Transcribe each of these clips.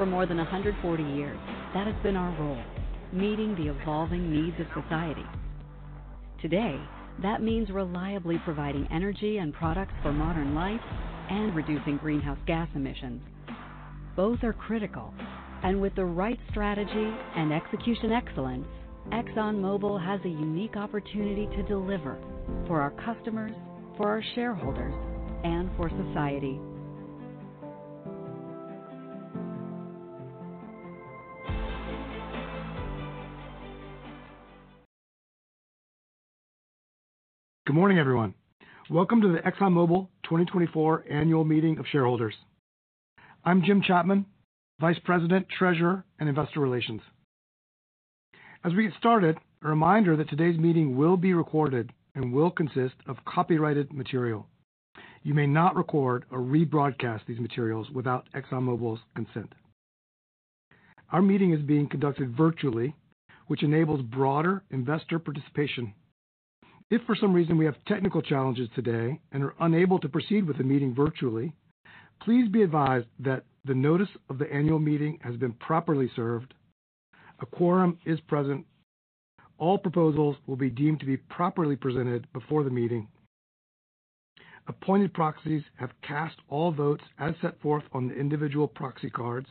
For more than 140 years, that has been our role, meeting the evolving needs of society. Today, that means reliably providing energy and products for modern life and reducing greenhouse gas emissions. Both are critical, and with the right strategy and execution excellence, ExxonMobil has a unique opportunity to deliver for our customers, for our shareholders, and for society. Good morning, everyone. Welcome to the ExxonMobil 2024 Annual Meeting of Shareholders. I'm Jim Chapman, Vice President, Treasurer, and Investor Relations. As we get started, a reminder that today's meeting will be recorded and will consist of copyrighted material. You may not record or rebroadcast these materials without ExxonMobil's consent. Our meeting is being conducted virtually, which enables broader investor participation. If for some reason we have technical challenges today and are unable to proceed with the meeting virtually, please be advised that the notice of the annual meeting has been properly served, a quorum is present, all proposals will be deemed to be properly presented before the meeting. Appointed proxies have cast all votes as set forth on the individual proxy cards.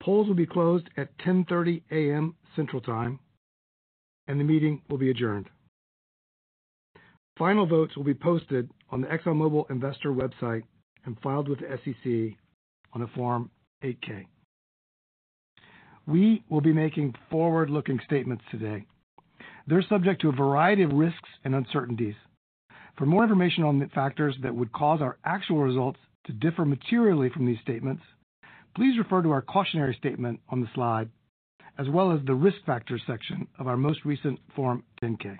Polls will be closed at 10:30 A.M. Central Time, and the meeting will be adjourned. Final votes will be posted on the ExxonMobil investor website and filed with the SEC on a Form 8-K. We will be making forward-looking statements today. They're subject to a variety of risks and uncertainties. For more information on the factors that would cause our actual results to differ materially from these statements, please refer to our cautionary statement on the slide, as well as the risk factors section of our most recent Form 10-K.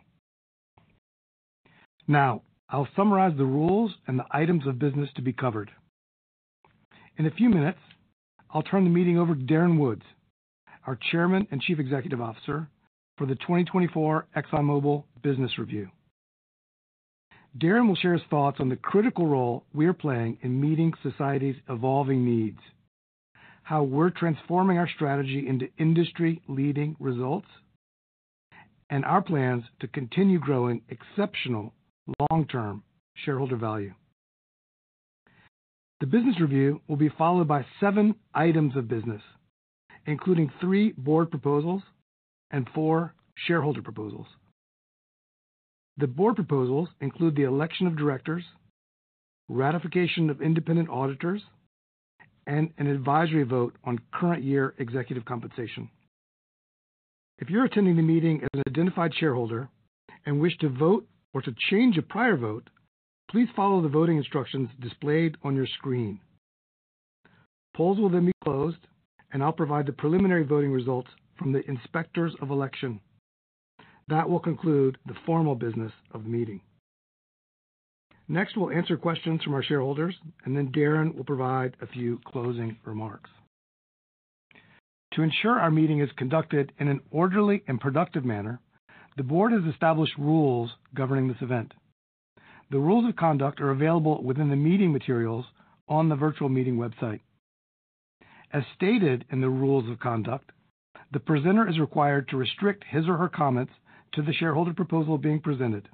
Now, I'll summarize the rules and the items of business to be covered. In a few minutes, I'll turn the meeting over to Darren Woods, our Chairman and Chief Executive Officer, for the 2024 ExxonMobil Business Review. Darren will share his thoughts on the critical role we are playing in meeting society's evolving needs, how we're transforming our strategy into industry-leading results, and our plans to continue growing exceptional long-term shareholder value. The business review will be followed by seven items of business, including three board proposals and four shareholder proposals. The board proposals include the election of directors, ratification of independent auditors, and an advisory vote on current year executive compensation. If you're attending the meeting as an identified shareholder and wish to vote or to change a prior vote, please follow the voting instructions displayed on your screen. Polls will then be closed, and I'll provide the preliminary voting results from the Inspectors of Election. That will conclude the formal business of the meeting. Next, we'll answer questions from our shareholders, and then Darren will provide a few closing remarks. To ensure our meeting is conducted in an orderly and productive manner, the board has established rules governing this event. The rules of conduct are available within the meeting materials on the virtual meeting website. As stated in the rules of conduct, the presenter is required to restrict his or her comments to the shareholder proposal being presented.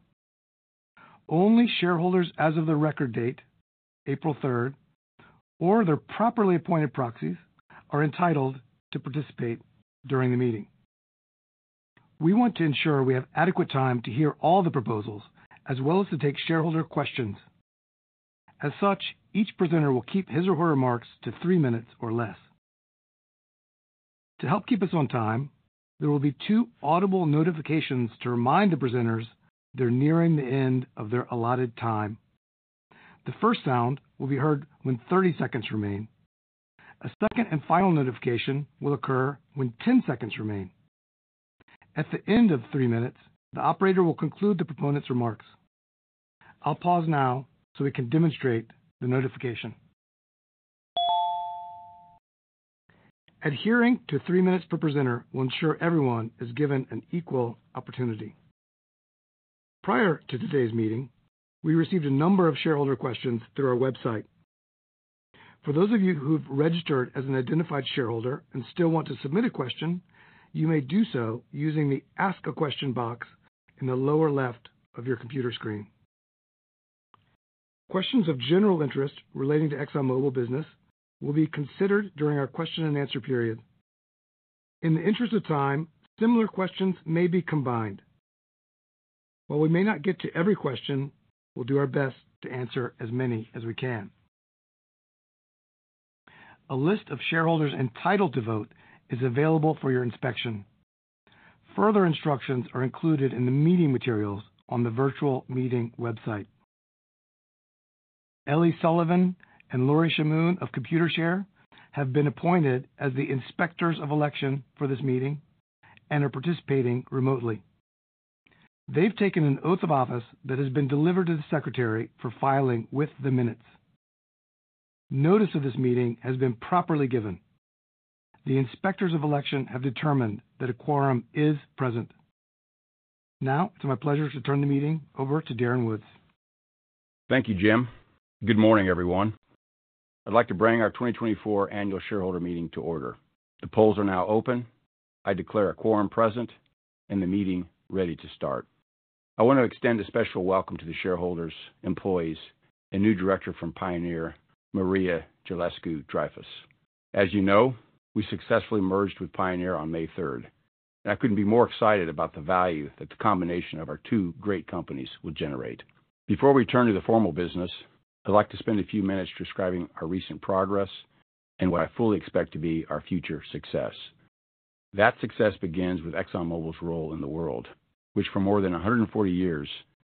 Only shareholders as of the record date, April 3rd, or their properly appointed proxies, are entitled to participate during the meeting. We want to ensure we have adequate time to hear all the proposals, as well as to take shareholder questions. As such, each presenter will keep his or her remarks to three minutes or less. To help keep us on time, there will be two audible notifications to remind the presenters they're nearing the end of their allotted time. The first sound will be heard when 30 seconds remain. A second and final notification will occur when 10 seconds remain. At the end of three minutes, the operator will conclude the proponent's remarks. I'll pause now so we can demonstrate the notification. Adhering to three minutes per presenter will ensure everyone is given an equal opportunity. Prior to today's meeting, we received a number of shareholder questions through our website. For those of you who've registered as an identified shareholder and still want to submit a question, you may do so using the Ask a Question box in the lower left of your computer screen. Questions of general interest relating to ExxonMobil business will be considered during our question and answer period. In the interest of time, similar questions may be combined. While we may not get to every question, we'll do our best to answer as many as we can. A list of shareholders entitled to vote is available for your inspection. Further instructions are included in the meeting materials on the virtual meeting website. Ellie Sullivan and Lori Shamoon of Computershare have been appointed as the Inspectors of Election for this meeting and are participating remotely. They've taken an oath of office that has been delivered to the Secretary for filing with the minutes. Notice of this meeting has been properly given. The Inspectors of Election have determined that a quorum is present.... Now, it's my pleasure to turn the meeting over to Darren Woods. Thank you, Jim. Good morning, everyone. I'd like to bring our 2024 annual shareholder meeting to order. The polls are now open, I declare a quorum present, and the meeting ready to start. I want to extend a special welcome to the shareholders, employees, and new director from Pioneer, Maria Jelescu Dreyfus. As you know, we successfully merged with Pioneer on May 3rd, and I couldn't be more excited about the value that the combination of our two great companies will generate. Before we turn to the formal business, I'd like to spend a few minutes describing our recent progress and what I fully expect to be our future success. That success begins with ExxonMobil's role in the world, which for more than 140 years,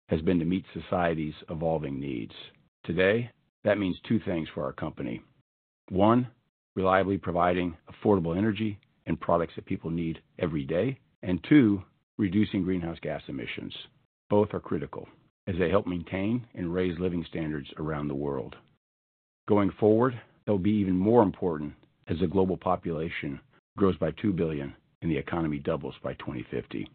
has been to meet society's evolving needs. Today, that means two things for our company. One, reliably providing affordable energy and products that people need every day, and two, reducing greenhouse gas emissions. Both are critical as they help maintain and raise living standards around the world. Going forward, they'll be even more important as the global population grows by 2 billion and the economy doubles by 2050.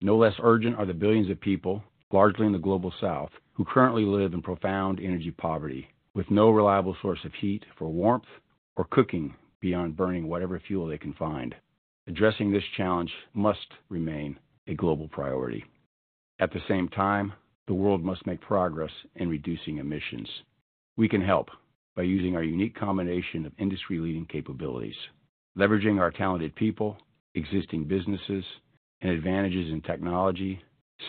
No less urgent are the billions of people, largely in the Global South, who currently live in profound energy poverty, with no reliable source of heat for warmth or cooking beyond burning whatever fuel they can find. Addressing this challenge must remain a global priority. At the same time, the world must make progress in reducing emissions. We can help by using our unique combination of industry-leading capabilities. Leveraging our talented people, existing businesses, and advantages in technology,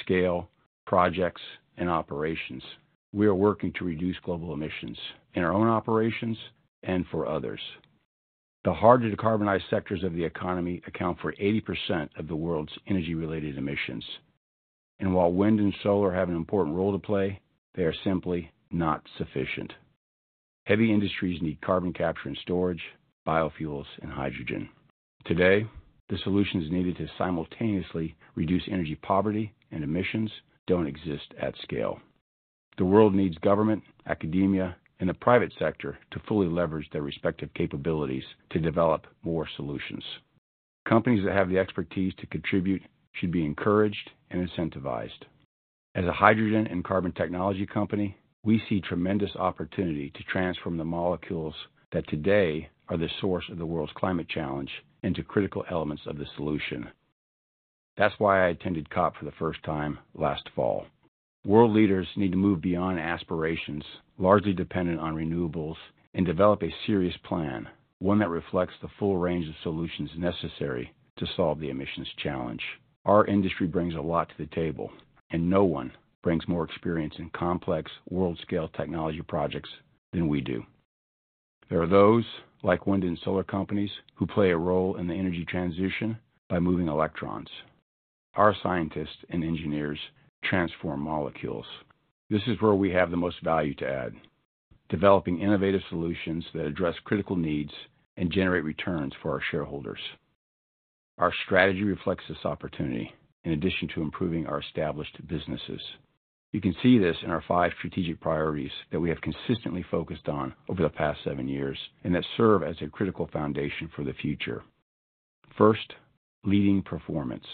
scale, projects, and operations, we are working to reduce global emissions in our own operations and for others. The hard-to-decarbonize sectors of the economy account for 80% of the world's energy-related emissions, and while wind and solar have an important role to play, they are simply not sufficient. Heavy industries need carbon capture and storage, biofuels, and hydrogen. Today, the solutions needed to simultaneously reduce energy poverty and emissions don't exist at scale. The world needs government, academia, and the private sector to fully leverage their respective capabilities to develop more solutions. Companies that have the expertise to contribute should be encouraged and incentivized. As a hydrogen and carbon technology company, we see tremendous opportunity to transform the molecules that today are the source of the world's climate challenge into critical elements of the solution. That's why I attended COP for the first time last fall. World leaders need to move beyond aspirations, largely dependent on renewables, and develop a serious plan, one that reflects the full range of solutions necessary to solve the emissions challenge. Our industry brings a lot to the table, and no one brings more experience in complex world-scale technology projects than we do. There are those, like wind and solar companies, who play a role in the energy transition by moving electrons. Our scientists and engineers transform molecules. This is where we have the most value to add, developing innovative solutions that address critical needs and generate returns for our shareholders. Our strategy reflects this opportunity in addition to improving our established businesses. You can see this in our five strategic priorities that we have consistently focused on over the past seven years, and that serve as a critical foundation for the future. First, leading performance.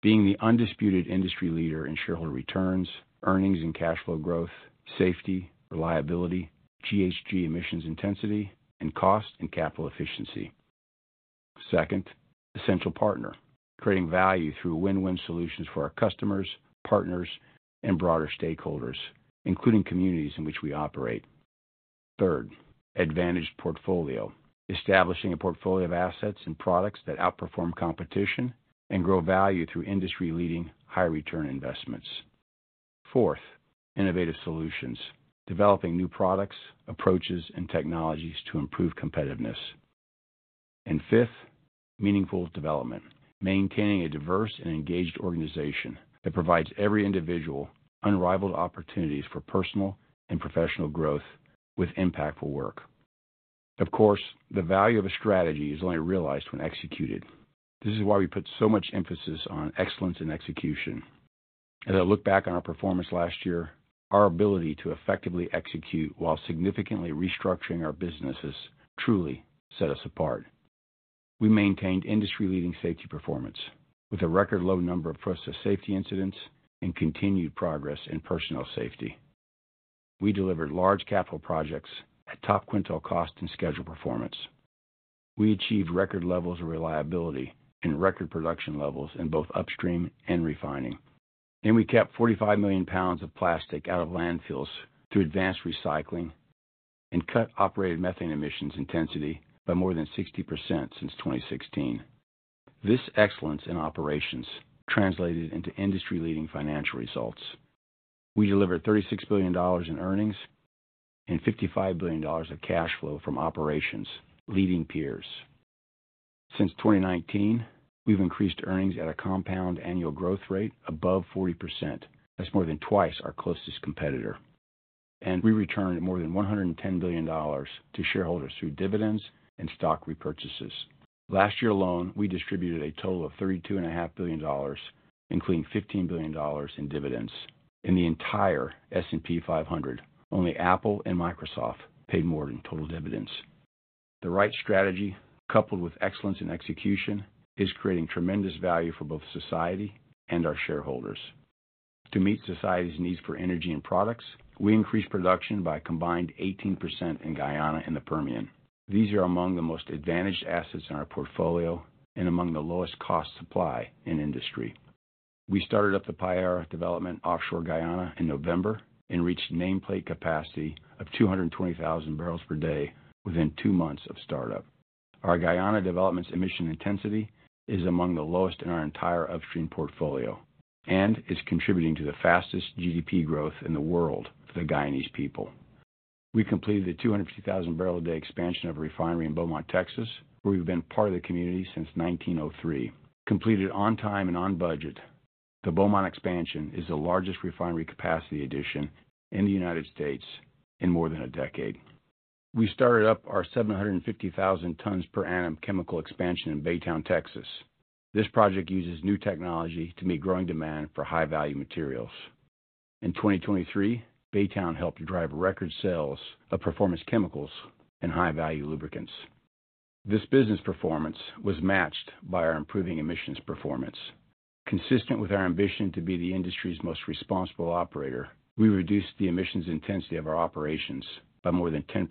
Being the undisputed industry leader in shareholder returns, earnings and cash flow growth, safety, reliability, GHG emissions intensity, and cost and capital efficiency. Second, essential partner. Creating value through win-win solutions for our customers, partners, and broader stakeholders, including communities in which we operate. Third, advantaged portfolio. Establishing a portfolio of assets and products that outperform competition and grow value through industry-leading, high-return investments. Fourth, innovative solutions. Developing new products, approaches, and technologies to improve competitiveness. And fifth, meaningful development. Maintaining a diverse and engaged organization that provides every individual unrivaled opportunities for personal and professional growth with impactful work. Of course, the value of a strategy is only realized when executed. This is why we put so much emphasis on excellence and execution. As I look back on our performance last year, our ability to effectively execute while significantly restructuring our businesses truly set us apart. We maintained industry-leading safety performance with a record low number of process safety incidents and continued progress in personal safety. We delivered large capital projects at top quintile cost and schedule performance. We achieved record levels of reliability and record production levels in both upstream and refining. We kept 45 million pounds of plastic out of landfills through advanced recycling and cut operated methane emissions intensity by more than 60% since 2016. This excellence in operations translated into industry-leading financial results. We delivered $36 billion in earnings and $55 billion of cash flow from operations, leading peers. Since 2019, we've increased earnings at a compound annual growth rate above 40%. That's more than twice our closest competitor, and we returned more than $110 billion to shareholders through dividends and stock repurchases. Last year alone, we distributed a total of $32.5 billion, including $15 billion in dividends. In the entire S&P 500, only Apple and Microsoft paid more in total dividends. The right strategy, coupled with excellence in execution, is creating tremendous value for both society and our shareholders. To meet society's needs for energy and products, we increased production by a combined 18% in Guyana and the Permian. These are among the most advantaged assets in our portfolio and among the lowest cost supply in industry. We started up the Payara development offshore Guyana in November and reached nameplate capacity of 220,000 bpd within two months of startup. Our Guyana developments emission intensity is among the lowest in our entire upstream portfolio and is contributing to the fastest GDP growth in the world for the Guyanese people. We completed a 250,000 bpd expansion of a refinery in Beaumont, Texas, where we've been part of the community since 1903. Completed on time and on budget, the Beaumont expansion is the largest refinery capacity addition in the United States in more than a decade. We started up our 750,000 tons per annum chemical expansion in Baytown, Texas. This project uses new technology to meet growing demand for high-value materials. In 2023, Baytown helped drive record sales of performance chemicals and high-value lubricants. This business performance was matched by our improving emissions performance. Consistent with our ambition to be the industry's most responsible operator, we reduced the emissions intensity of our operations by more than 10%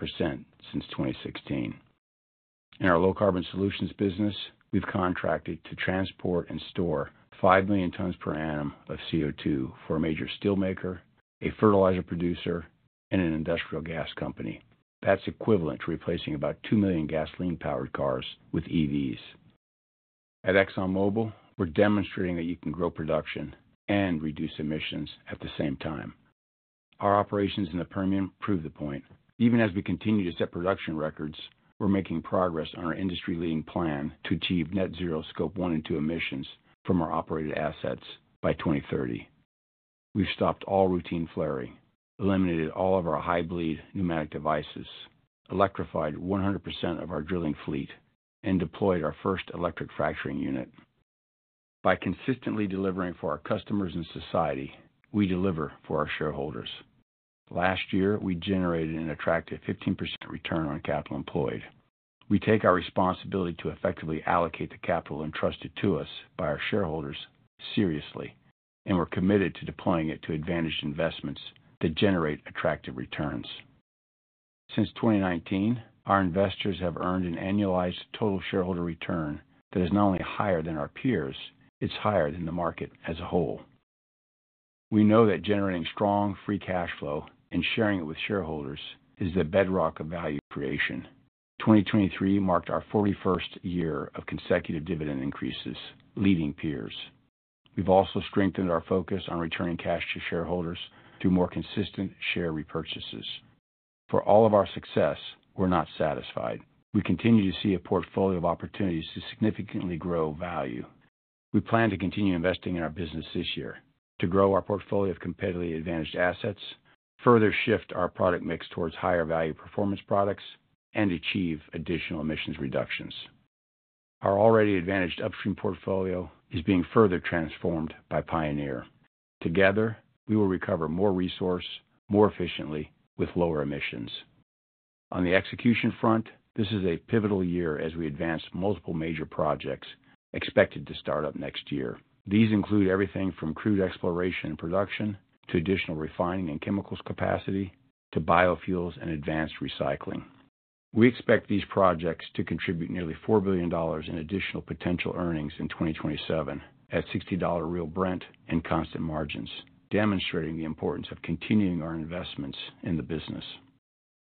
since 2016. In our Low Carbon Solutions business, we've contracted to transport and store 5 million tons per annum of CO2 for a major steelmaker, a fertilizer producer, and an industrial gas company. That's equivalent to replacing about 2 million gasoline-powered cars with EVs. At ExxonMobil, we're demonstrating that you can grow production and reduce emissions at the same time. Our operations in the Permian prove the point. Even as we continue to set production records, we're making progress on our industry-leading plan to achieve net zero Scope 1 and 2 emissions from our operated assets by 2030. We've stopped all routine flaring, eliminated all of our high bleed pneumatic devices, electrified 100% of our drilling fleet, and deployed our first electric fracturing unit. By consistently delivering for our customers and society, we deliver for our shareholders. Last year, we generated an attractive 15% return on capital employed. We take our responsibility to effectively allocate the capital entrusted to us by our shareholders seriously, and we're committed to deploying it to advantaged investments that generate attractive returns. Since 2019, our investors have earned an annualized total shareholder return that is not only higher than our peers, it's higher than the market as a whole. We know that generating strong free cash flow and sharing it with shareholders is the bedrock of value creation. 2023 marked our 41st year of consecutive dividend increases, leading peers. We've also strengthened our focus on returning cash to shareholders through more consistent share repurchases. For all of our success, we're not satisfied. We continue to see a portfolio of opportunities to significantly grow value. We plan to continue investing in our business this year to grow our portfolio of competitively advantaged assets, further shift our product mix towards higher value performance products, and achieve additional emissions reductions. Our already advantaged upstream portfolio is being further transformed by Pioneer. Together, we will recover more resource, more efficiently with lower emissions. On the execution front, this is a pivotal year as we advance multiple major projects expected to start up next year. These include everything from crude exploration and production to additional refining and chemicals capacity to biofuels and advanced recycling. We expect these projects to contribute nearly $4 billion in additional potential earnings in 2027, at $60 real Brent and constant margins, demonstrating the importance of continuing our investments in the business.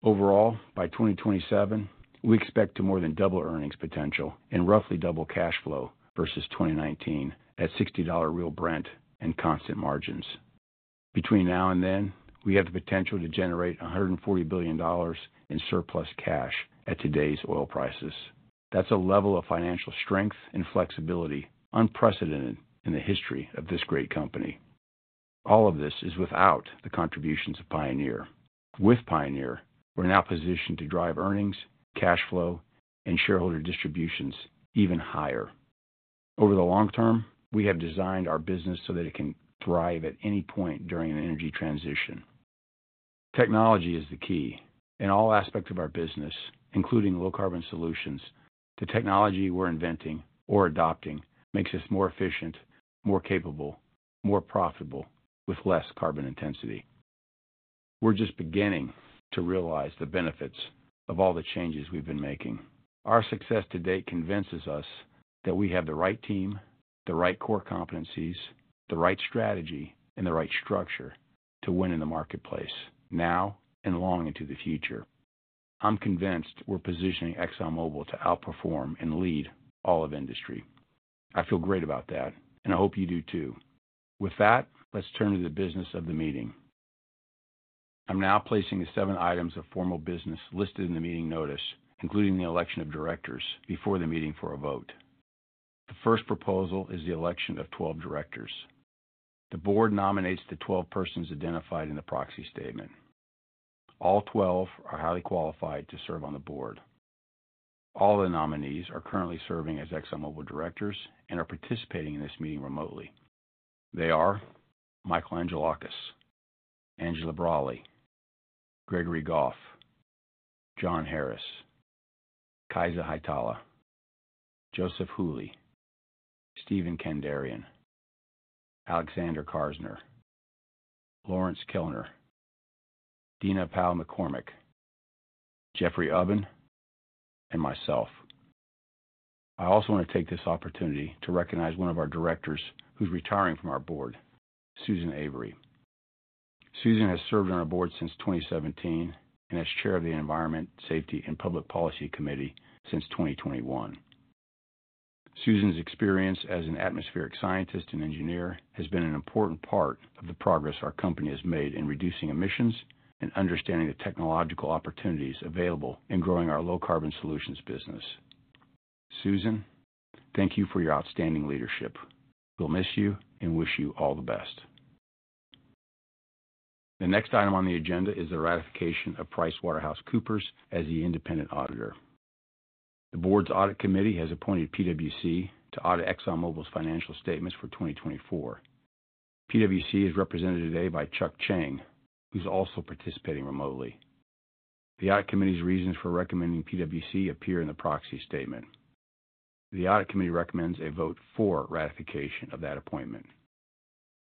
Overall, by 2027, we expect to more than double earnings potential and roughly double cash flow versus 2019 at $60 real Brent and constant margins. Between now and then, we have the potential to generate $140 billion in surplus cash at today's oil prices. That's a level of financial strength and flexibility unprecedented in the history of this great company. All of this is without the contributions of Pioneer. With Pioneer, we're now positioned to drive earnings, cash flow, and shareholder distributions even higher. Over the long term, we have designed our business so that it can thrive at any point during an energy transition. Technology is the key. In all aspects of our business, including low-carbon solutions, the technology we're inventing or adopting makes us more efficient, more capable, more profitable, with less carbon intensity. We're just beginning to realize the benefits of all the changes we've been making. Our success to date convinces us that we have the right team, the right core competencies, the right strategy, and the right structure to win in the marketplace now and long into the future. I'm convinced we're positioning ExxonMobil to outperform and lead all of industry. I feel great about that, and I hope you do, too. With that, let's turn to the business of the meeting. I'm now placing the seven items of formal business listed in the meeting notice, including the election of directors, before the meeting for a vote. The first proposal is the election of 12 directors. The board nominates the 12 persons identified in the proxy statement. All 12 are highly qualified to serve on the board. All the nominees are currently serving as ExxonMobil directors and are participating in this meeting remotely. They are Michael Angelakis, Angela Braly, Gregory Goff, John Harris, Kaisa Hietala, Joseph Hooley, Steven Kandarian, Alexander Karsner, Lawrence Kellner, Dina Powell McCormick, Jeffrey Ubben, and myself. I also want to take this opportunity to recognize one of our directors who's retiring from our board, Susan Avery. Susan has served on our board since 2017 and as chair of the Environment, Safety, and Public Policy Committee since 2021. Susan's experience as an atmospheric scientist and engineer has been an important part of the progress our company has made in reducing emissions and understanding the technological opportunities available in growing our low-carbon solutions business. Susan, thank you for your outstanding leadership. We'll miss you and wish you all the best. The next item on the agenda is the ratification of PricewaterhouseCoopers as the independent auditor. The board's audit committee has appointed PwC to audit ExxonMobil's financial statements for 2024. PwC is represented today by Chuck Cheng, who's also participating remotely. The audit committee's reasons for recommending PwC appear in the proxy statement. The audit committee recommends a vote for ratification of that appointment.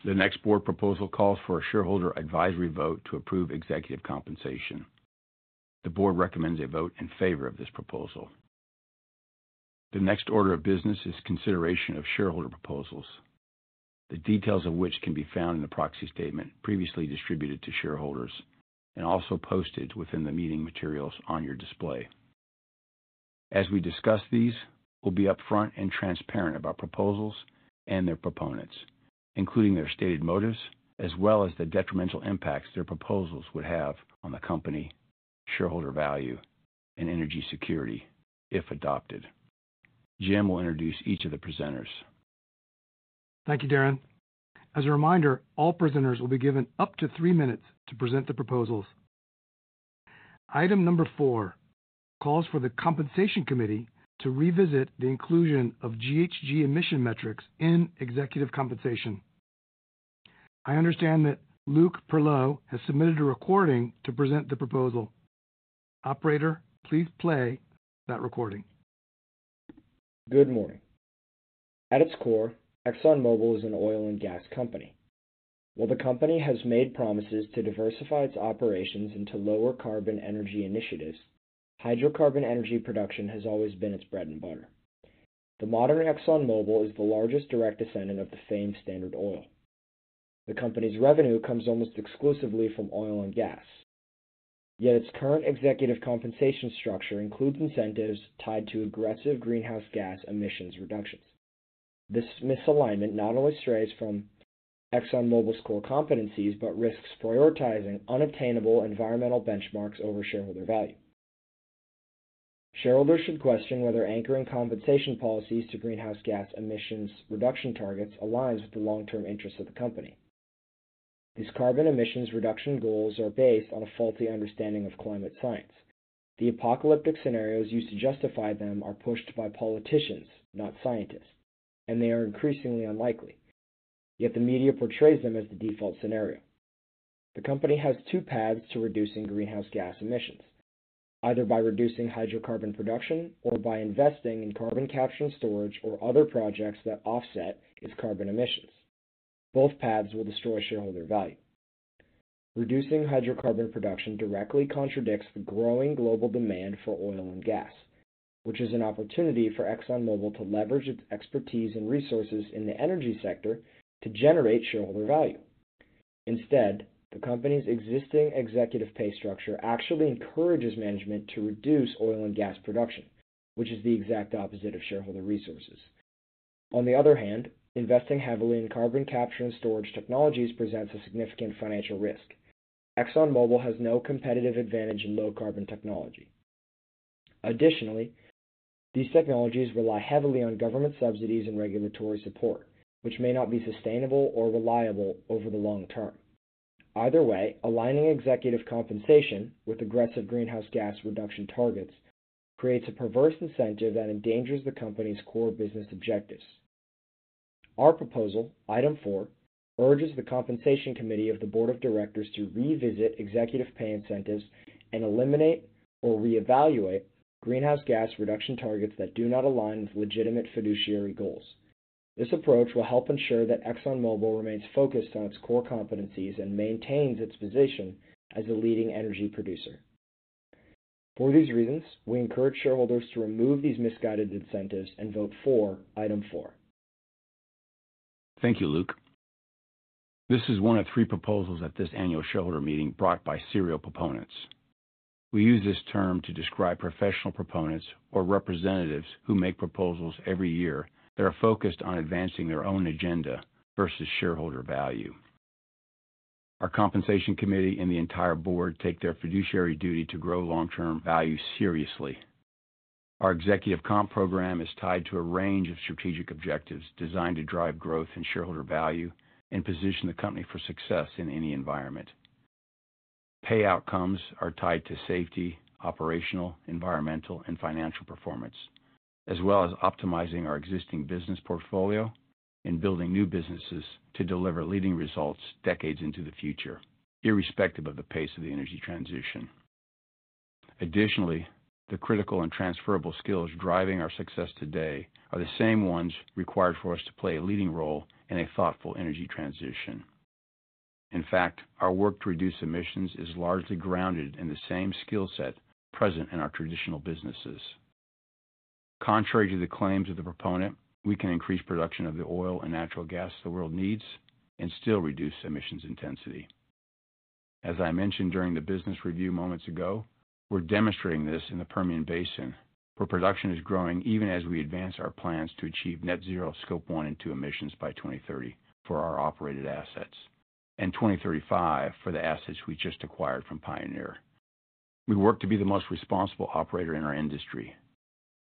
The next board proposal calls for a shareholder advisory vote to approve executive compensation. The board recommends a vote in favor of this proposal. The next order of business is consideration of shareholder proposals, the details of which can be found in the proxy statement previously distributed to shareholders and also posted within the meeting materials on your display. As we discuss these, we'll be upfront and transparent about proposals and their proponents, including their stated motives, as well as the detrimental impacts their proposals would have on the company, shareholder value, and energy security if adopted. Jim will introduce each of the presenters. Thank you, Darren. As a reminder, all presenters will be given up to three minutes to present the proposals. Item number four calls for the Compensation Committee to revisit the inclusion of GHG emission metrics in executive compensation. I understand that Luke Perlot has submitted a recording to present the proposal. Operator, please play that recording. Good morning. At its core, ExxonMobil is an oil and gas company. While the company has made promises to diversify its operations into lower carbon energy initiatives, hydrocarbon energy production has always been its bread and butter. The modern ExxonMobil is the largest direct descendant of the famed Standard Oil. The company's revenue comes almost exclusively from oil and gas, yet its current executive compensation structure includes incentives tied to aggressive greenhouse gas emissions reductions. This misalignment not only strays from ExxonMobil's core competencies but risks prioritizing unobtainable environmental benchmarks over shareholder value. Shareholders should question whether anchoring compensation policies to greenhouse gas emissions reduction targets aligns with the long-term interests of the company. These carbon emissions reduction goals are based on a faulty understanding of climate science. The apocalyptic scenarios used to justify them are pushed by politicians, not scientists, and they are increasingly unlikely, yet the media portrays them as the default scenario. The company has two paths to reducing greenhouse gas emissions, either by reducing hydrocarbon production or by investing in carbon capture and storage or other projects that offset its carbon emissions. Both paths will destroy shareholder value. Reducing hydrocarbon production directly contradicts the growing global demand for oil and gas, which is an opportunity for ExxonMobil to leverage its expertise and resources in the energy sector to generate shareholder value. Instead, the company's existing executive pay structure actually encourages management to reduce oil and gas production, which is the exact opposite of shareholder resources. On the other hand, investing heavily in carbon capture and storage technologies presents a significant financial risk. ExxonMobil has no competitive advantage in low-carbon technology. Additionally, these technologies rely heavily on government subsidies and regulatory support, which may not be sustainable or reliable over the long term. Either way, aligning executive compensation with aggressive greenhouse gas reduction targets creates a perverse incentive that endangers the company's core business objectives. Our proposal, Item four, urges the Compensation Committee of the Board of Directors to revisit executive pay incentives and eliminate or reevaluate greenhouse gas reduction targets that do not align with legitimate fiduciary goals. This approach will help ensure that ExxonMobil remains focused on its core competencies and maintains its position as a leading energy producer. For these reasons, we encourage shareholders to remove these misguided incentives and vote for Item four. Thank you, Luke. This is one of three proposals at this annual shareholder meeting brought by serial proponents. We use this term to describe professional proponents or representatives who make proposals every year that are focused on advancing their own agenda versus shareholder value. Our Compensation Committee and the entire board take their fiduciary duty to grow long-term value seriously. Our executive comp program is tied to a range of strategic objectives designed to drive growth and shareholder value and position the company for success in any environment. Pay outcomes are tied to safety, operational, environmental, and financial performance, as well as optimizing our existing business portfolio and building new businesses to deliver leading results decades into the future, irrespective of the pace of the energy transition. Additionally, the critical and transferable skills driving our success today are the same ones required for us to play a leading role in a thoughtful energy transition. In fact, our work to reduce emissions is largely grounded in the same skill set present in our traditional businesses. Contrary to the claims of the proponent, we can increase production of the oil and natural gas the world needs and still reduce emissions intensity. As I mentioned during the business review moments ago, we're demonstrating this in the Permian Basin, where production is growing even as we advance our plans to achieve net zero Scope 1 and 2 emissions by 2030 for our operated assets, and 2035 for the assets we just acquired from Pioneer. We work to be the most responsible operator in our industry.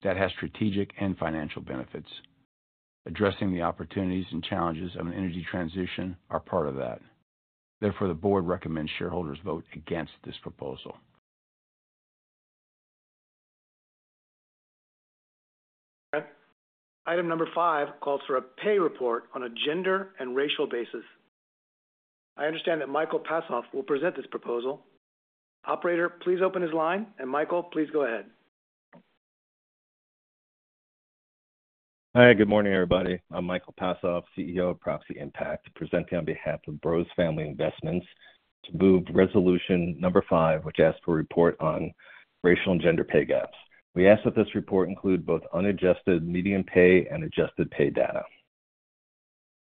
That has strategic and financial benefits. Addressing the opportunities and challenges of an energy transition are part of that. Therefore, the board recommends shareholders vote against this proposal. Item number five calls for a pay report on a gender and racial basis. I understand that Michael Passoff will present this proposal. Operator, please open his line. Michael, please go ahead. Hi, good morning, everybody. I'm Michael Passoff, CEO of Proxy Impact, presenting on behalf of Brose Family Investments, to move resolution number five, which asks for a report on racial and gender pay gaps. We ask that this report include both unadjusted, median pay, and adjusted pay data.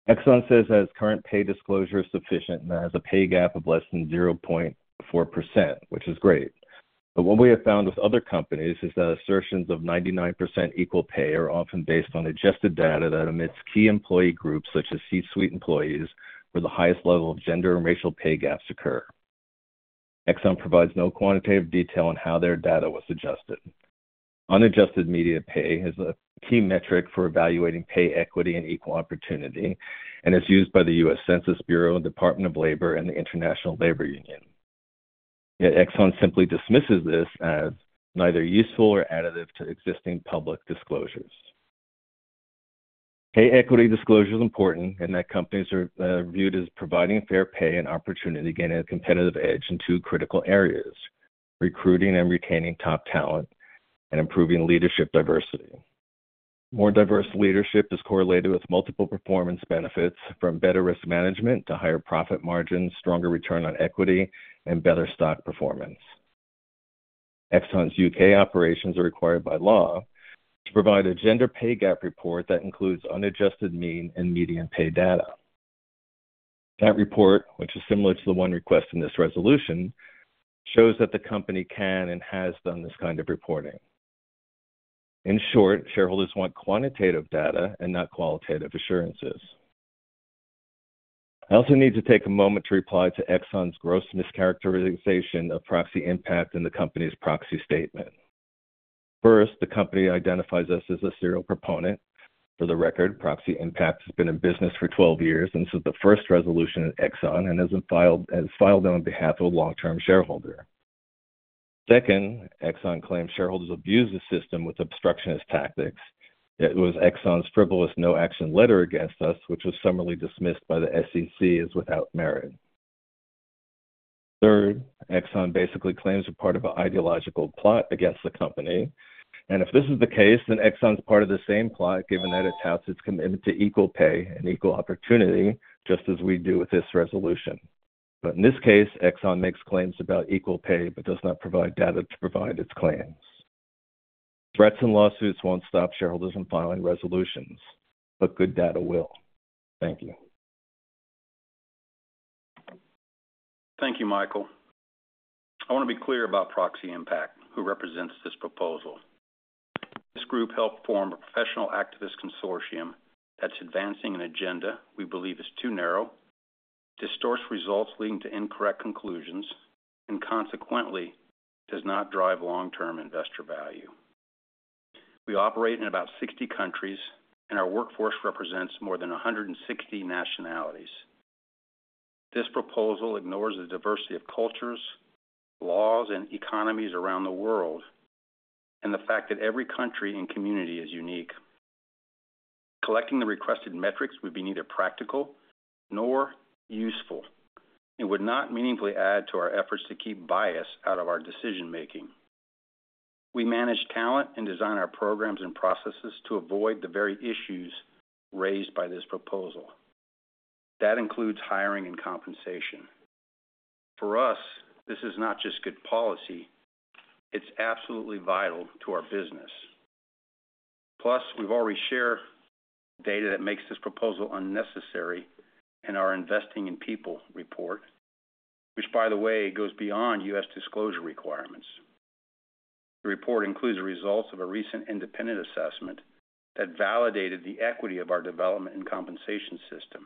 Exxon says that its current pay disclosure is sufficient and has a pay gap of less than 0.4%, which is great. But what we have found with other companies is that assertions of 99% equal pay are often based on adjusted data that omits key employee groups such as C-suite employees, where the highest level of gender and racial pay gaps occur. Exxon provides no quantitative detail on how their data was adjusted. Unadjusted median pay is a key metric for evaluating pay equity and equal opportunity, and is used by the U.S. Census Bureau, Department of Labor, and the International Labor Union. Yet Exxon simply dismisses this as neither useful or additive to existing public disclosures. Pay equity disclosure is important in that companies are viewed as providing fair pay and opportunity, gaining a competitive edge in two critical areas: recruiting and retaining top talent, and improving leadership diversity. More diverse leadership is correlated with multiple performance benefits, from better risk management to higher profit margins, stronger return on equity, and better stock performance. Exxon's U.K. operations are required by law to provide a gender pay gap report that includes unadjusted mean and median pay data. That report, which is similar to the one requested in this resolution, shows that the company can and has done this kind of reporting. In short, shareholders want quantitative data and not qualitative assurances. I also need to take a moment to reply to Exxon's gross mischaracterization of Proxy Impact in the company's proxy statement. First, the company identifies us as a serial proponent. For the record, Proxy Impact has been in business for 12 years, and this is the first resolution at Exxon and has filed on behalf of a long-term shareholder. Second, Exxon claims shareholders abuse the system with obstructionist tactics. It was Exxon's frivolous no action letter against us, which was summarily dismissed by the SEC, as without merit. Third, Exxon basically claims a part of an ideological plot against the company, and if this is the case, then Exxon's part of the same plot, given that it touts its commitment to equal pay and equal opportunity, just as we do with this resolution. But in this case, Exxon makes claims about equal pay, but does not provide data to provide its claims. Threats and lawsuits won't stop shareholders from filing resolutions, but good data will. Thank you. Thank you, Michael. I want to be clear about Proxy Impact, who represents this proposal. This group helped form a professional activist consortium that's advancing an agenda we believe is too narrow, distorts results leading to incorrect conclusions, and consequently, does not drive long-term investor value. We operate in about 60 countries, and our workforce represents more than 160 nationalities. This proposal ignores the diversity of cultures, laws, and economies around the world, and the fact that every country and community is unique. Collecting the requested metrics would be neither practical nor useful and would not meaningfully add to our efforts to keep bias out of our decision-making. We manage talent and design our programs and processes to avoid the very issues raised by this proposal. That includes hiring and compensation. For us, this is not just good policy, it's absolutely vital to our business. Plus, we've already shared data that makes this proposal unnecessary in our Investing in People report, which, by the way, goes beyond U.S. disclosure requirements. The report includes the results of a recent independent assessment that validated the equity of our development and compensation system.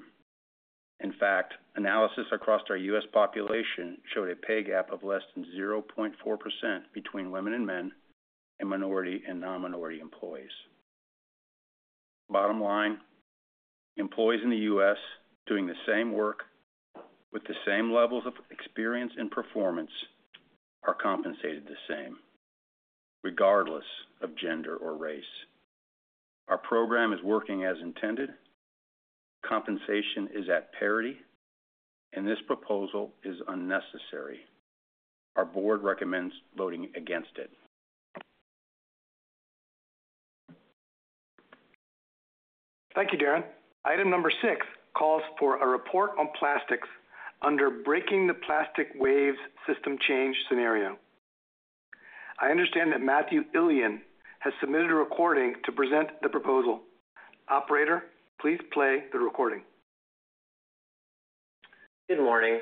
In fact, analysis across our U.S. population showed a pay gap of less than 0.4% between women and men, and minority and non-minority employees.... Bottom line, employees in the U.S. doing the same work with the same levels of experience and performance are compensated the same, regardless of gender or race. Our program is working as intended. Compensation is at parity, and this proposal is unnecessary. Our board recommends voting against it. Thank you, Darren. Item number six calls for a report on plastics under Breaking the Plastic Wave System Change Scenario. I understand that Matthew Illian has submitted a recording to present the proposal. Operator, please play the recording. Good morning.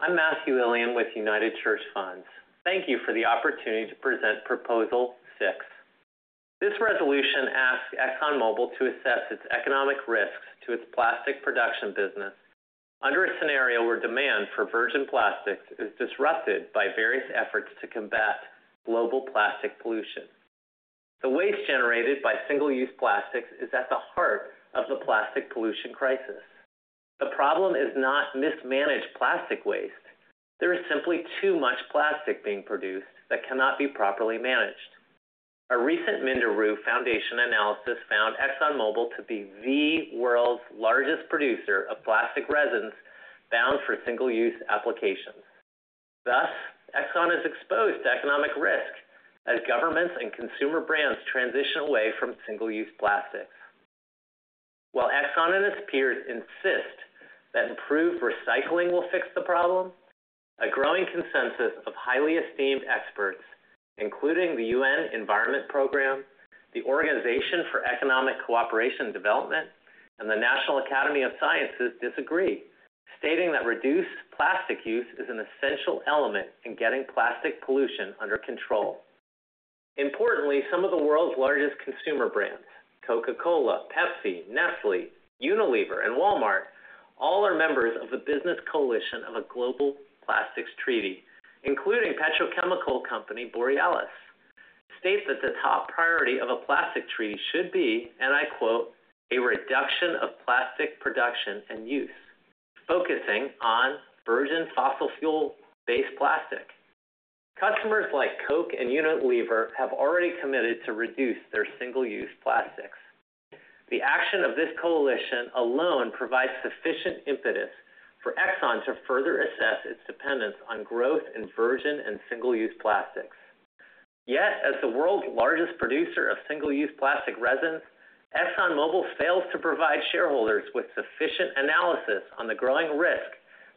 I'm Matthew Illian with United Church Funds. Thank you for the opportunity to present Proposal Six. This resolution asks ExxonMobil to assess its economic risks to its plastic production business under a scenario where demand for virgin plastics is disrupted by various efforts to combat global plastic pollution. The waste generated by single-use plastics is at the heart of the plastic pollution crisis. The problem is not mismanaged plastic waste. There is simply too much plastic being produced that cannot be properly managed. A recent Minderoo Foundation analysis found ExxonMobil to be the world's largest producer of plastic resins bound for single-use applications. Thus, Exxon is exposed to economic risk as governments and consumer brands transition away from single-use plastics. While Exxon and its peers insist that improved recycling will fix the problem, a growing consensus of highly esteemed experts, including the UN Environment Program, the Organization for Economic Co-operation and Development, and the National Academy of Sciences disagree, stating that reduced plastic use is an essential element in getting plastic pollution under control. Importantly, some of the world's largest consumer brands, Coca-Cola, Pepsi, Nestlé, Unilever, and Walmart, all are members of the Business Coalition for a Global Plastics Treaty, including petrochemical company Borealis, states that the top priority of a plastic treaty should be, and I quote, "A reduction of plastic production and use, focusing on virgin fossil fuel-based plastic." Customers like Coke and Unilever have already committed to reduce their single-use plastics. The action of this coalition alone provides sufficient impetus for Exxon to further assess its dependence on growth in virgin and single-use plastics. Yet, as the world's largest producer of single-use plastic resins, ExxonMobil fails to provide shareholders with sufficient analysis on the growing risk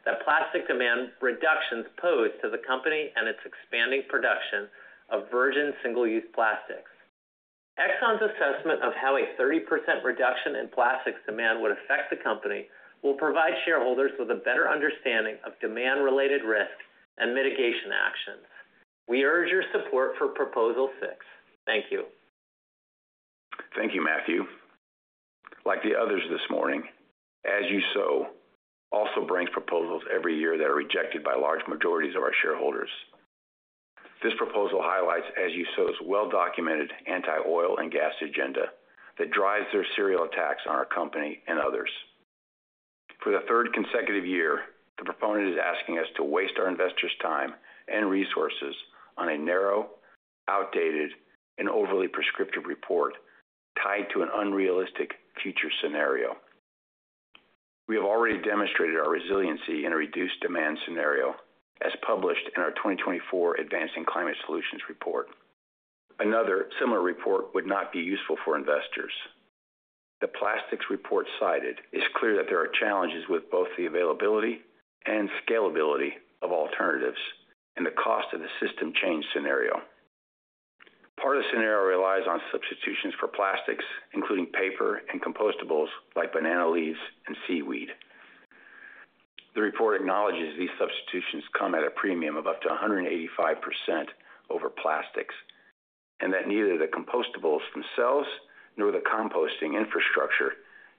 that plastic demand reductions pose to the company and its expanding production of virgin single-use plastics. Exxon's assessment of how a 30% reduction in plastics demand would affect the company will provide shareholders with a better understanding of demand-related risk and mitigation actions. We urge your support for Proposal Six. Thank you. Thank you, Matthew. Like the others this morning, As You Sow also brings proposals every year that are rejected by large majorities of our shareholders. This proposal highlights As You Sow's well-documented anti-oil and gas agenda that drives their serial attacks on our company and others. For the third consecutive year, the proponent is asking us to waste our investors' time and resources on a narrow, outdated, and overly prescriptive report tied to an unrealistic future scenario. We have already demonstrated our resiliency in a reduced demand scenario, as published in our 2024 Advancing Climate Solutions report. Another similar report would not be useful for investors. The plastics report cited, it's clear that there are challenges with both the availability and scalability of alternatives and the cost of the system change scenario. Part of the scenario relies on substitutions for plastics, including paper and compostables, like banana leaves and seaweed. The report acknowledges these substitutions come at a premium of up to 185% over plastics, and that neither the compostables themselves nor the composting infrastructure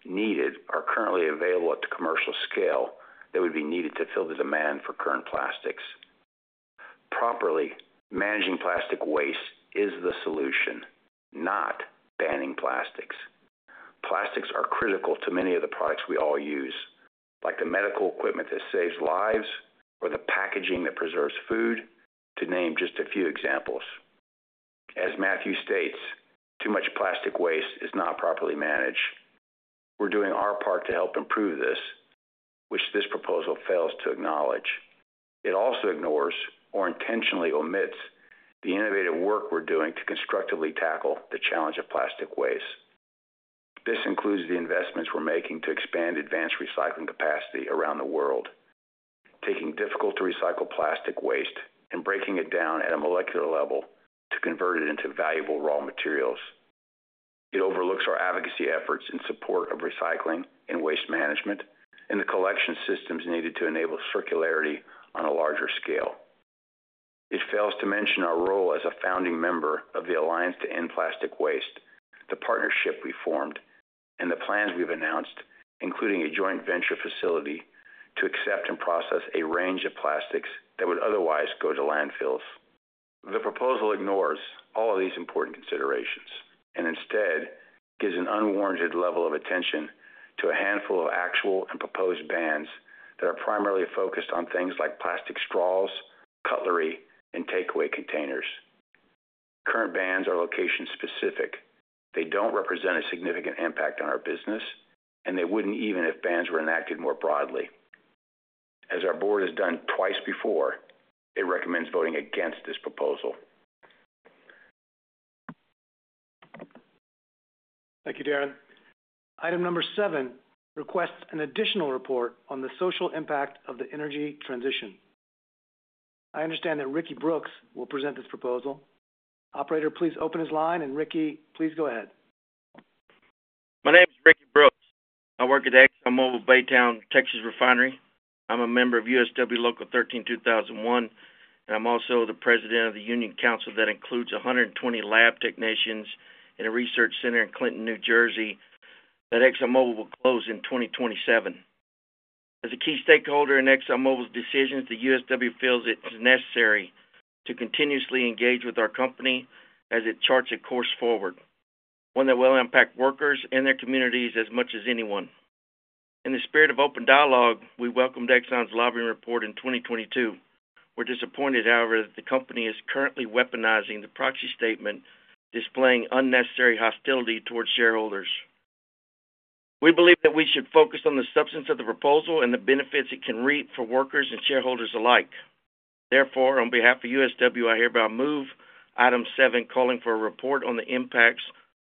needed are currently available at the commercial scale that would be needed to fill the demand for current plastics. Properly, managing plastic waste is the solution, not banning plastics. Plastics are critical to many of the products we all use, like the medical equipment that saves lives, or the packaging that preserves food, to name just a few examples. As Matthew states, too much plastic waste is not properly managed. We're doing our part to help improve this, which this proposal fails to acknowledge. It also ignores or intentionally omits the innovative work we're doing to constructively tackle the challenge of plastic waste. This includes the investments we're making to expand advanced recycling capacity around the world, taking difficult-to-recycle plastic waste and breaking it down at a molecular level to convert it into valuable raw materials. It overlooks our advocacy efforts in support of recycling and waste management, and the collection systems needed to enable circularity on a larger scale. It fails to mention our role as a founding member of the Alliance to End Plastic Waste, the partnership we formed, and the plans we've announced, including a joint venture facility, to accept and process a range of plastics that would otherwise go to landfills. The proposal ignores all of these important considerations and instead gives an unwarranted level of attention to a handful of actual and proposed bans that are primarily focused on things like plastic straws, cutlery, and takeaway containers. Current bans are location-specific. They don't represent a significant impact on our business, and they wouldn't, even if bans were enacted more broadly. As our board has done twice before, it recommends voting against this proposal. Thank you, Darren. Item number seven requests an additional report on the social impact of the energy transition. I understand that Ricky Brooks will present this proposal. Operator, please open his line, and Ricky, please go ahead. My name is Ricky Brooks. I work at ExxonMobil Baytown, Texas Refinery. I'm a member of USW Local 13-2001, and I'm also the President of the Union Council. That includes 120 lab technicians in a research center in Clinton, New Jersey, that ExxonMobil will close in 2027. As a key stakeholder in ExxonMobil's decisions, the USW feels it is necessary to continuously engage with our company as it charts a course forward, one that will impact workers and their communities as much as anyone. In the spirit of open dialogue, we welcomed Exxon's lobbying report in 2022. We're disappointed, however, that the company is currently weaponizing the proxy statement, displaying unnecessary hostility towards shareholders. We believe that we should focus on the substance of the proposal and the benefits it can reap for workers and shareholders alike. Therefore, on behalf of USW, I hereby move item seven, calling for a report on the impacts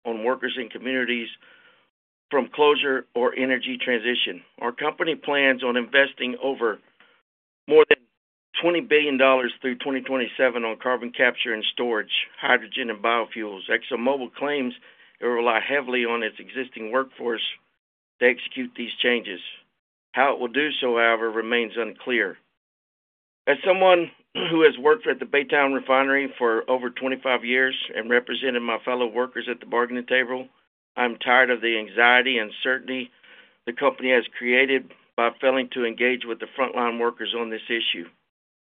on workers and communities from closure or energy transition. Our company plans on investing over more than $20 billion through 2027 on carbon capture and storage, hydrogen and biofuels. ExxonMobil claims it will rely heavily on its existing workforce to execute these changes. How it will do so, however, remains unclear. As someone who has worked at the Baytown Refinery for over 25 years and represented my fellow workers at the bargaining table, I'm tired of the anxiety and certainty the company has created by failing to engage with the frontline workers on this issue.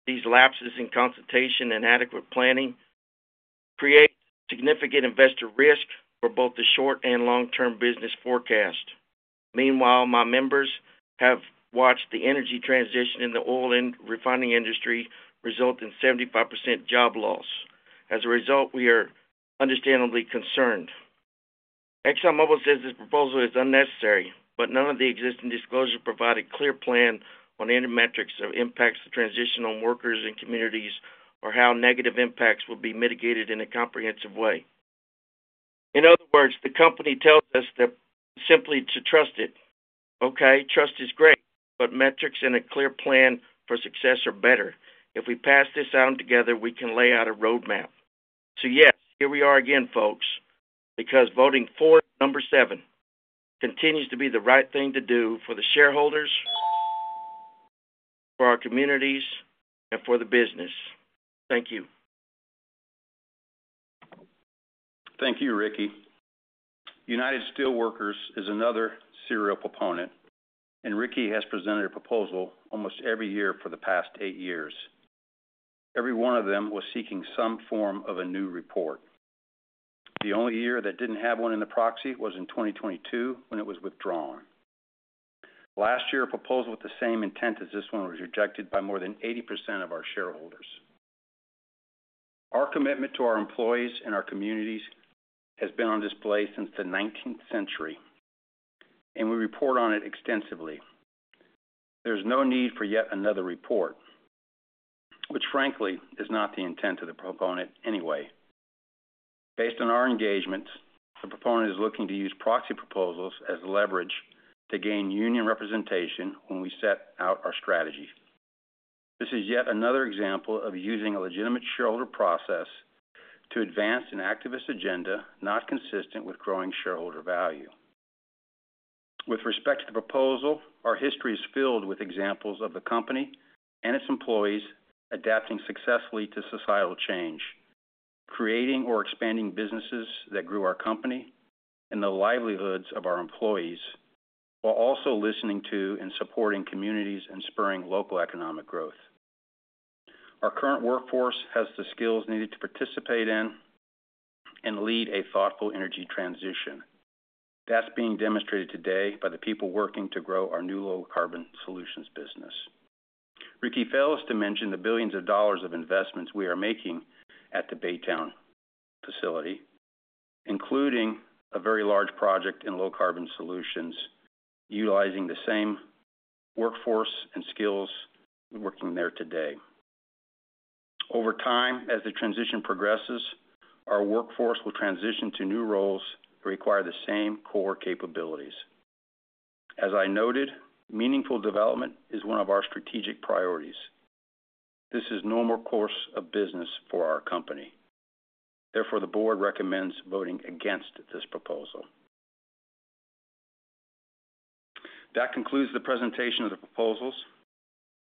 These lapses in consultation and adequate planning create significant investor risk for both the short and long-term business forecast. Meanwhile, my members have watched the energy transition in the oil and refining industry result in 75% job loss. As a result, we are understandably concerned. ExxonMobil says this proposal is unnecessary, but none of the existing disclosures provide a clear plan on any metrics of impacts to transitional workers and communities, or how negative impacts will be mitigated in a comprehensive way. In other words, the company tells us that simply to trust it. Okay, trust is great, but metrics and a clear plan for success are better. If we pass this item together, we can lay out a roadmap. So yes, here we are again, folks, because voting for number seven continues to be the right thing to do for the shareholders, for our communities, and for the business. Thank you. Thank you, Ricky. United Steelworkers is another serial proponent, and Ricky has presented a proposal almost every year for the past eight years. Every one of them was seeking some form of a new report. The only year that didn't have one in the proxy was in 2022, when it was withdrawn. Last year, a proposal with the same intent as this one was rejected by more than 80% of our shareholders. Our commitment to our employees and our communities has been on display since the 19th century, and we report on it extensively. There's no need for yet another report, which, frankly, is not the intent of the proponent anyway. Based on our engagements, the proponent is looking to use proxy proposals as leverage to gain union representation when we set out our strategy. This is yet another example of using a legitimate shareholder process to advance an activist agenda, not consistent with growing shareholder value. With respect to the proposal, our history is filled with examples of the company and its employees adapting successfully to societal change, creating or expanding businesses that grew our company and the livelihoods of our employees, while also listening to and supporting communities and spurring local economic growth. Our current workforce has the skills needed to participate in and lead a thoughtful energy transition. That's being demonstrated today by the people working to grow our new low carbon solutions business. Ricky fails to mention the billions of dollars of investments we are making at the Baytown facility, including a very large project in low carbon solutions, utilizing the same workforce and skills working there today. Over time, as the transition progresses, our workforce will transition to new roles that require the same core capabilities. As I noted, meaningful development is one of our strategic priorities. This is normal course of business for our company. Therefore, the board recommends voting against this proposal. That concludes the presentation of the proposals.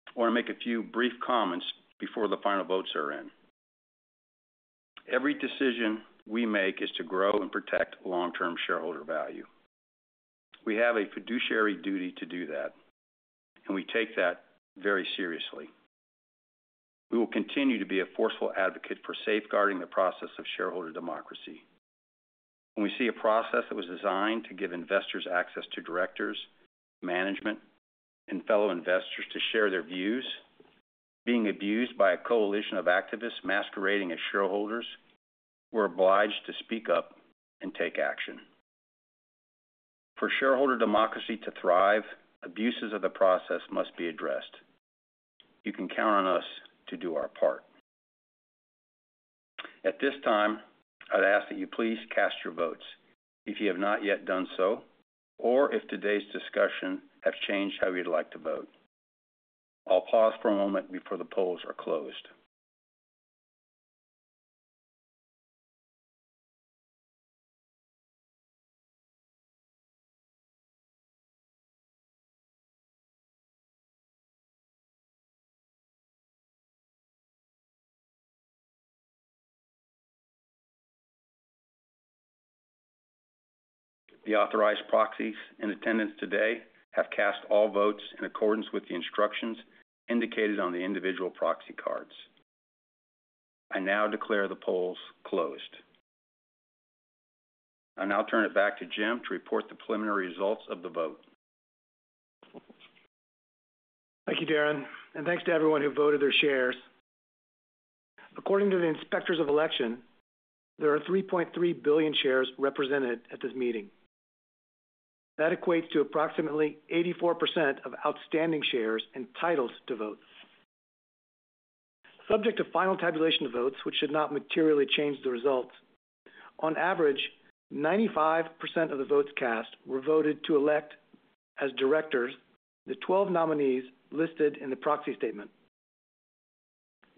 I want to make a few brief comments before the final votes are in. Every decision we make is to grow and protect long-term shareholder value... We have a fiduciary duty to do that, and we take that very seriously. We will continue to be a forceful advocate for safeguarding the process of shareholder democracy. When we see a process that was designed to give investors access to directors, management, and fellow investors to share their views, being abused by a coalition of activists masquerading as shareholders, we're obliged to speak up and take action. For shareholder democracy to thrive, abuses of the process must be addressed. You can count on us to do our part. At this time, I'd ask that you please cast your votes if you have not yet done so or if today's discussion have changed how you'd like to vote. I'll pause for a moment before the polls are closed. The authorized proxies in attendance today have cast all votes in accordance with the instructions indicated on the individual proxy cards. I now declare the polls closed. I'll now turn it back to Jim to report the preliminary results of the vote. Thank you, Darren, and thanks to everyone who voted their shares. According to the Inspectors of Election, there are 3.3 billion shares represented at this meeting. That equates to approximately 84% of outstanding shares entitled to vote. Subject to final tabulation of votes, which should not materially change the results, on average, 95% of the votes cast were voted to elect as directors the 12 nominees listed in the proxy statement.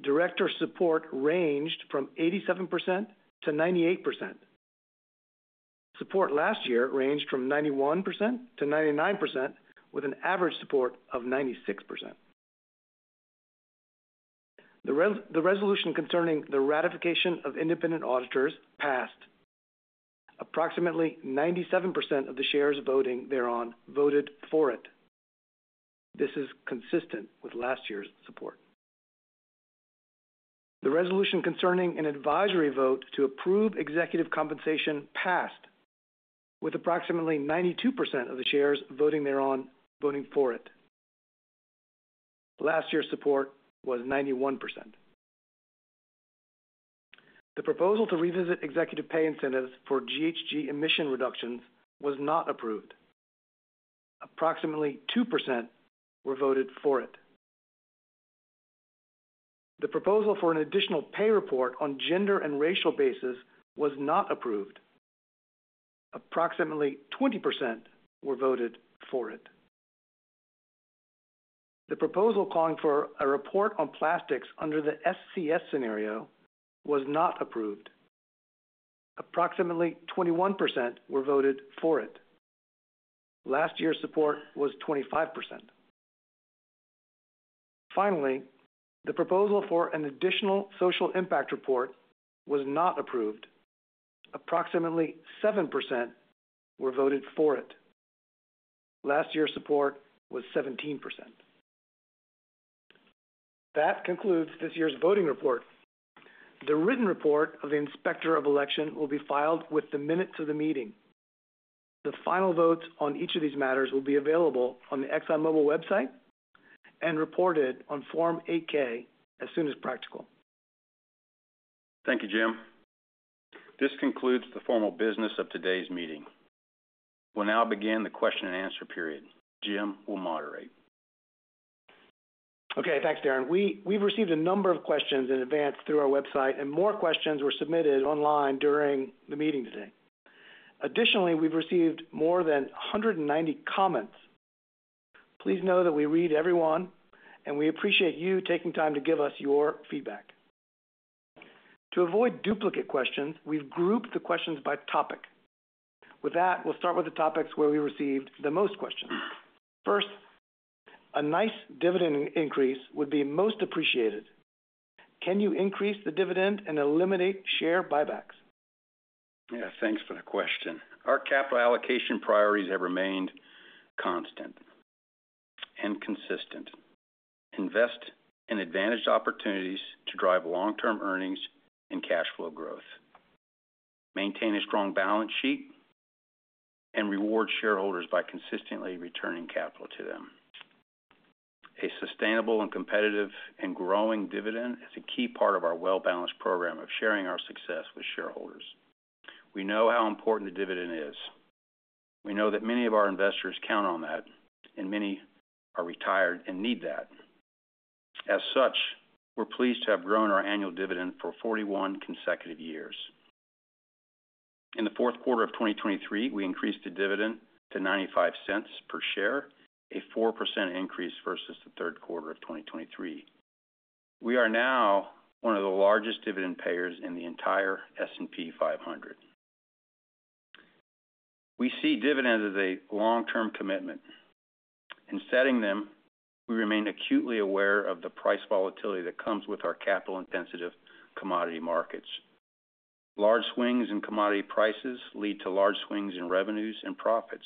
Director support ranged from 87%-98%. Support last year ranged from 91%-99%, with an average support of 96%. The resolution concerning the ratification of independent auditors passed. Approximately 97% of the shares voting thereon voted for it. This is consistent with last year's support. The resolution concerning an advisory vote to approve executive compensation passed, with approximately 92% of the shares voting thereon voting for it. Last year's support was 91%. The proposal to revisit executive pay incentives for GHG emission reductions was not approved. Approximately 2% were voted for it. The proposal for an additional pay report on gender and racial basis was not approved. Approximately 20% were voted for it. The proposal calling for a report on plastics under the SCS scenario was not approved. Approximately 21% were voted for it. Last year's support was 25%. Finally, the proposal for an additional social impact report was not approved. Approximately 7% were voted for it. Last year's support was 17%. That concludes this year's voting report. The written report of the Inspector of Election will be filed with the minutes of the meeting. The final votes on each of these matters will be available on the ExxonMobil website and reported on Form 8-K as soon as practical. Thank you, Jim. This concludes the formal business of today's meeting. We'll now begin the question and answer period. Jim will moderate. Okay, thanks, Darren. We, we've received a number of questions in advance through our website, and more questions were submitted online during the meeting today. Additionally, we've received more than 190 comments. Please know that we read every one, and we appreciate you taking time to give us your feedback. To avoid duplicate questions, we've grouped the questions by topic. With that, we'll start with the topics where we received the most questions. First, a nice dividend increase would be most appreciated. Can you increase the dividend and eliminate share buybacks? Yeah, thanks for the question. Our capital allocation priorities have remained constant and consistent. Invest in advantaged opportunities to drive long-term earnings and cash flow growth, maintain a strong balance sheet, and reward shareholders by consistently returning capital to them. A sustainable and competitive and growing dividend is a key part of our well-balanced program of sharing our success with shareholders. We know how important the dividend is. We know that many of our investors count on that, and many are retired and need that. As such, we're pleased to have grown our annual dividend for 41 consecutive years. In the fourth quarter of 2023, we increased the dividend to $0.95 per share, a 4% increase versus the third quarter of 2023. We are now one of the largest dividend payers in the entire S&P 500. We see dividends as a long-term commitment. In setting them, we remain acutely aware of the price volatility that comes with our capital-intensive commodity markets. Large swings in commodity prices lead to large swings in revenues and profits.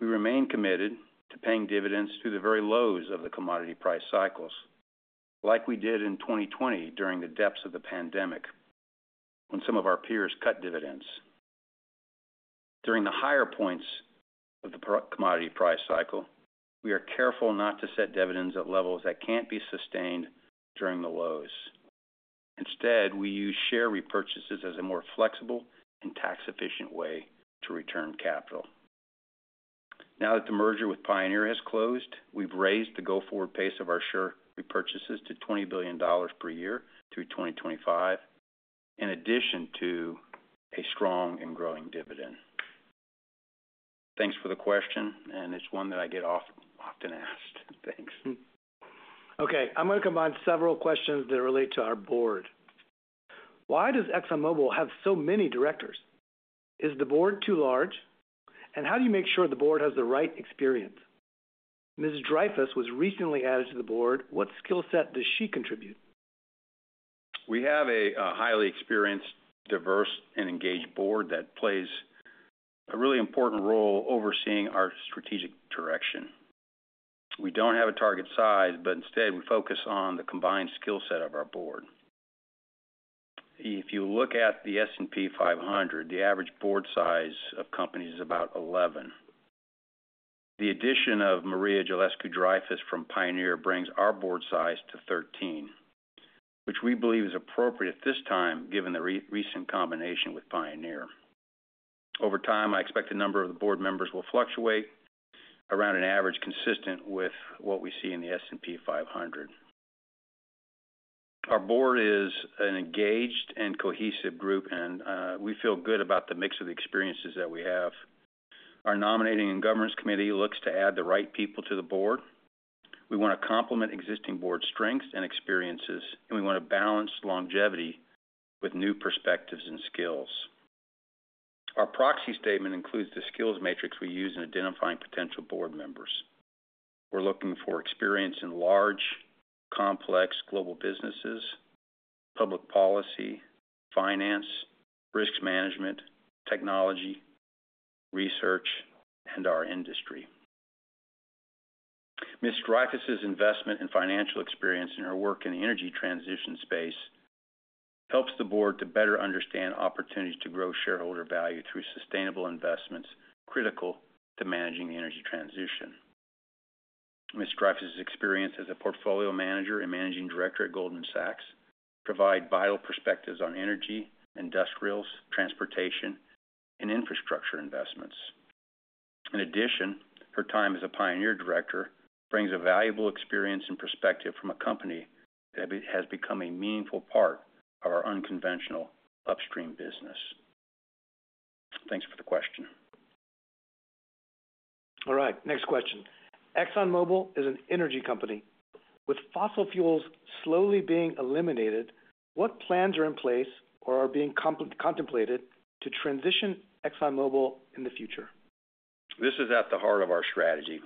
We remain committed to paying dividends through the very lows of the commodity price cycles, like we did in 2020, during the depths of the pandemic, when some of our peers cut dividends. During the higher points of the commodity price cycle, we are careful not to set dividends at levels that can't be sustained during the lows. Instead, we use share repurchases as a more flexible and tax-efficient way to return capital. Now that the merger with Pioneer has closed, we've raised the go-forward pace of our share repurchases to $20 billion per year through 2025, in addition to a strong and growing dividend. Thanks for the question, and it's one that I get often asked. Thanks. Okay, I'm gonna combine several questions that relate to our board. Why does ExxonMobil have so many directors? Is the board too large, and how do you make sure the board has the right experience? Ms. Dreyfus was recently added to the board. What skill set does she contribute? We have a highly experienced, diverse, and engaged board that plays a really important role overseeing our strategic direction. We don't have a target size, but instead, we focus on the combined skill set of our board. If you look at the S&P 500, the average board size of companies is about 11. The addition of Maria Jelescu Dreyfus from Pioneer brings our board size to 13, which we believe is appropriate at this time, given the recent combination with Pioneer. Over time, I expect the number of the board members will fluctuate around an average consistent with what we see in the S&P 500. Our board is an engaged and cohesive group, and we feel good about the mix of the experiences that we have. Our Nominating and Governance Committee looks to add the right people to the board. We wanna complement existing board strengths and experiences, and we wanna balance longevity with new perspectives and skills. Our proxy statement includes the skills matrix we use in identifying potential board members. We're looking for experience in large, complex global businesses, public policy, finance, risk management, technology, research, and our industry. Ms. Dreyfus's investment and financial experience in her work in the energy transition space helps the board to better understand opportunities to grow shareholder value through sustainable investments, critical to managing the energy transition. Ms. Dreyfus's experience as a portfolio manager and managing director at Goldman Sachs provide vital perspectives on energy, industrials, transportation, and infrastructure investments. In addition, her time as a Pioneer director brings a valuable experience and perspective from a company that has become a meaningful part of our unconventional upstream business. Thanks for the question. All right, next question. ExxonMobil is an energy company. With fossil fuels slowly being eliminated, what plans are in place or are being contemplated to transition ExxonMobil in the future? This is at the heart of our strategy.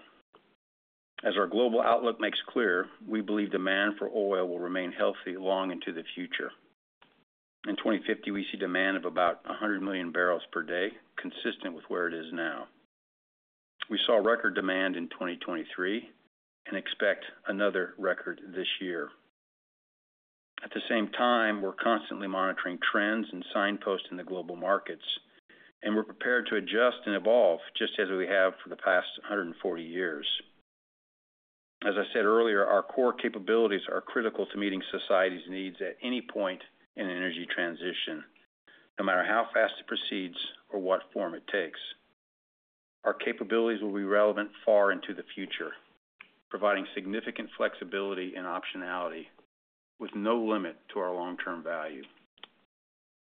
As our global outlook makes clear, we believe demand for oil will remain healthy long into the future. In 2050, we see demand of about 100 MMbpd, consistent with where it is now. We saw record demand in 2023 and expect another record this year. At the same time, we're constantly monitoring trends and signposts in the global markets, and we're prepared to adjust and evolve, just as we have for the past 140 years. As I said earlier, our core capabilities are critical to meeting society's needs at any point in an energy transition, no matter how fast it proceeds or what form it takes. Our capabilities will be relevant far into the future, providing significant flexibility and optionality with no limit to our long-term value.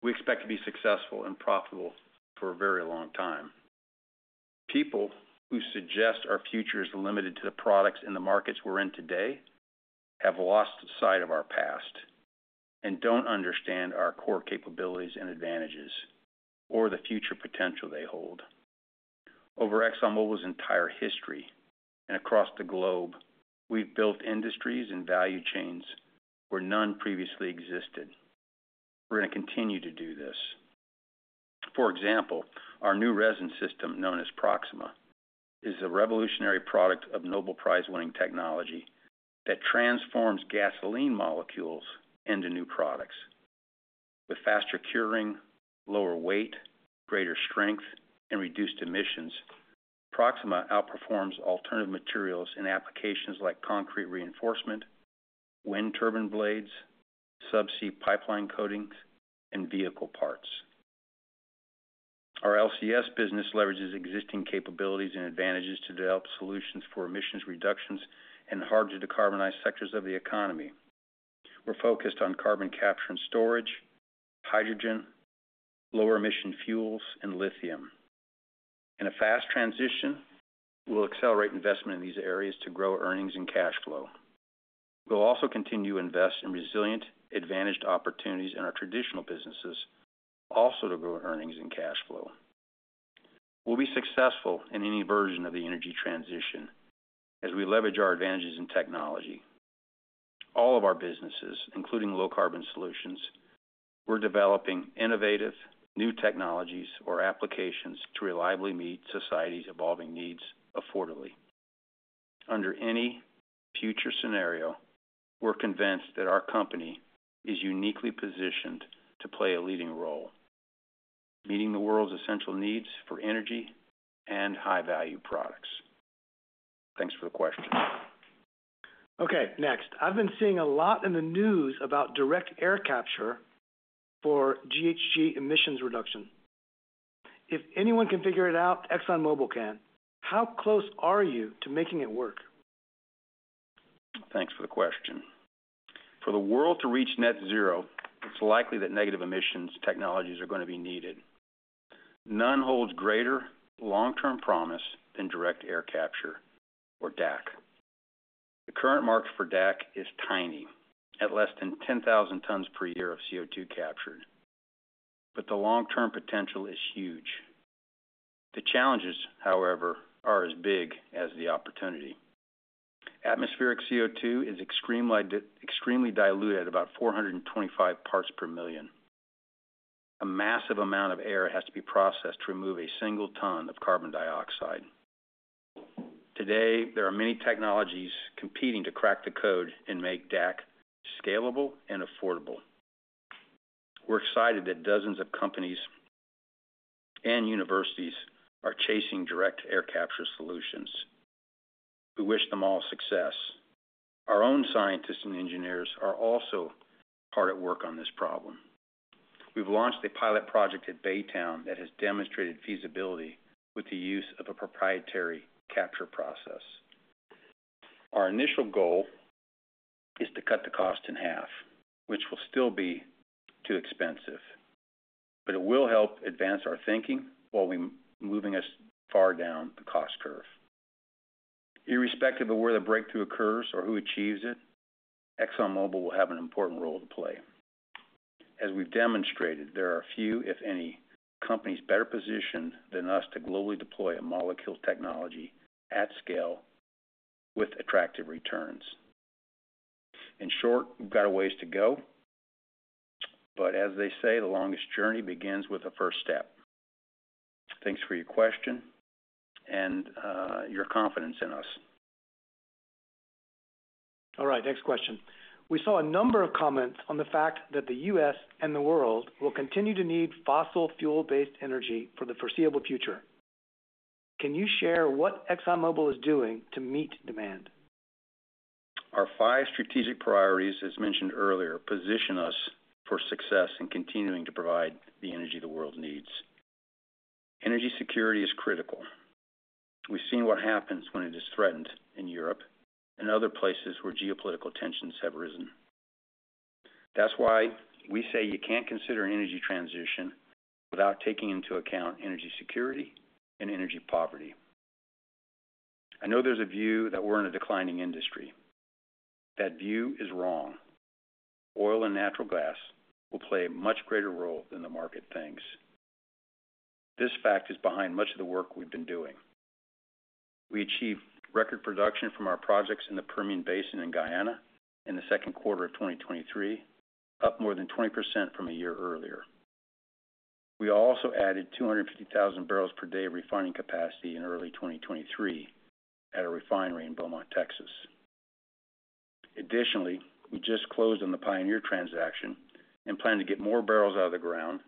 We expect to be successful and profitable for a very long time. People who suggest our future is limited to the products and the markets we're in today, have lost sight of our past and don't understand our core capabilities and advantages or the future potential they hold. Over ExxonMobil's entire history and across the globe, we've built industries and value chains where none previously existed. We're gonna continue to do this. For example, our new resin system, known as Proxima, is a revolutionary product of Nobel Prize-winning technology that transforms gasoline molecules into new products. With faster curing, lower weight, greater strength, and reduced emissions, Proxima outperforms alternative materials in applications like concrete reinforcement, wind turbine blades, subsea pipeline coatings, and vehicle parts. Our LCS business leverages existing capabilities and advantages to develop solutions for emissions reductions in hard-to-decarbonize sectors of the economy. We're focused on carbon capture and storage, hydrogen, lower-emission fuels, and lithium. In a fast transition, we'll accelerate investment in these areas to grow earnings and cash flow. We'll also continue to invest in resilient, advantaged opportunities in our traditional businesses, also to grow earnings and cash flow....We'll be successful in any version of the energy transition as we leverage our advantages in technology. All of our businesses, including Low Carbon Solutions, we're developing innovative new technologies or applications to reliably meet society's evolving needs affordably. Under any future scenario, we're convinced that our company is uniquely positioned to play a leading role, meeting the world's essential needs for energy and high-value products. Thanks for the question. Okay, next. I've been seeing a lot in the news about direct air capture for GHG emissions reduction. If anyone can figure it out, ExxonMobil can. How close are you to making it work? Thanks for the question. For the world to reach net zero, it's likely that negative emissions technologies are gonna be needed. None holds greater long-term promise than direct air capture, or DAC. The current market for DAC is tiny, at less than 10,000 tons per year of CO₂ captured, but the long-term potential is huge. The challenges, however, are as big as the opportunity. Atmospheric CO₂ is extremely diluted, about 425 parts per million. A massive amount of air has to be processed to remove a single ton of carbon dioxide. Today, there are many technologies competing to crack the code and make DAC scalable and affordable. We're excited that dozens of companies and universities are chasing direct air capture solutions. We wish them all success. Our own scientists and engineers are also hard at work on this problem. We've launched a pilot project at Baytown that has demonstrated feasibility with the use of a proprietary capture process. Our initial goal is to cut the cost in half, which will still be too expensive, but it will help advance our thinking while removing us far down the cost curve. Irrespective of where the breakthrough occurs or who achieves it, ExxonMobil will have an important role to play. As we've demonstrated, there are a few, if any, companies better positioned than us to globally deploy a molecule technology at scale with attractive returns. In short, we've got a ways to go, but as they say, the longest journey begins with the first step. Thanks for your question and your confidence in us. All right, next question. We saw a number of comments on the fact that the U.S. and the world will continue to need fossil fuel-based energy for the foreseeable future. Can you share what ExxonMobil is doing to meet demand? Our five strategic priorities, as mentioned earlier, position us for success in continuing to provide the energy the world needs. Energy security is critical. We've seen what happens when it is threatened in Europe and other places where geopolitical tensions have risen. That's why we say you can't consider an energy transition without taking into account energy security and energy poverty. I know there's a view that we're in a declining industry. That view is wrong. Oil and natural gas will play a much greater role than the market thinks. This fact is behind much of the work we've been doing. We achieved record production from our projects in the Permian Basin and Guyana in the second quarter of 2023, up more than 20% from a year earlier. We also added 250,000 barrels per day of refining capacity in early 2023 at a refinery in Beaumont, Texas. Additionally, we just closed on the Pioneer transaction and plan to get more barrels out of the ground,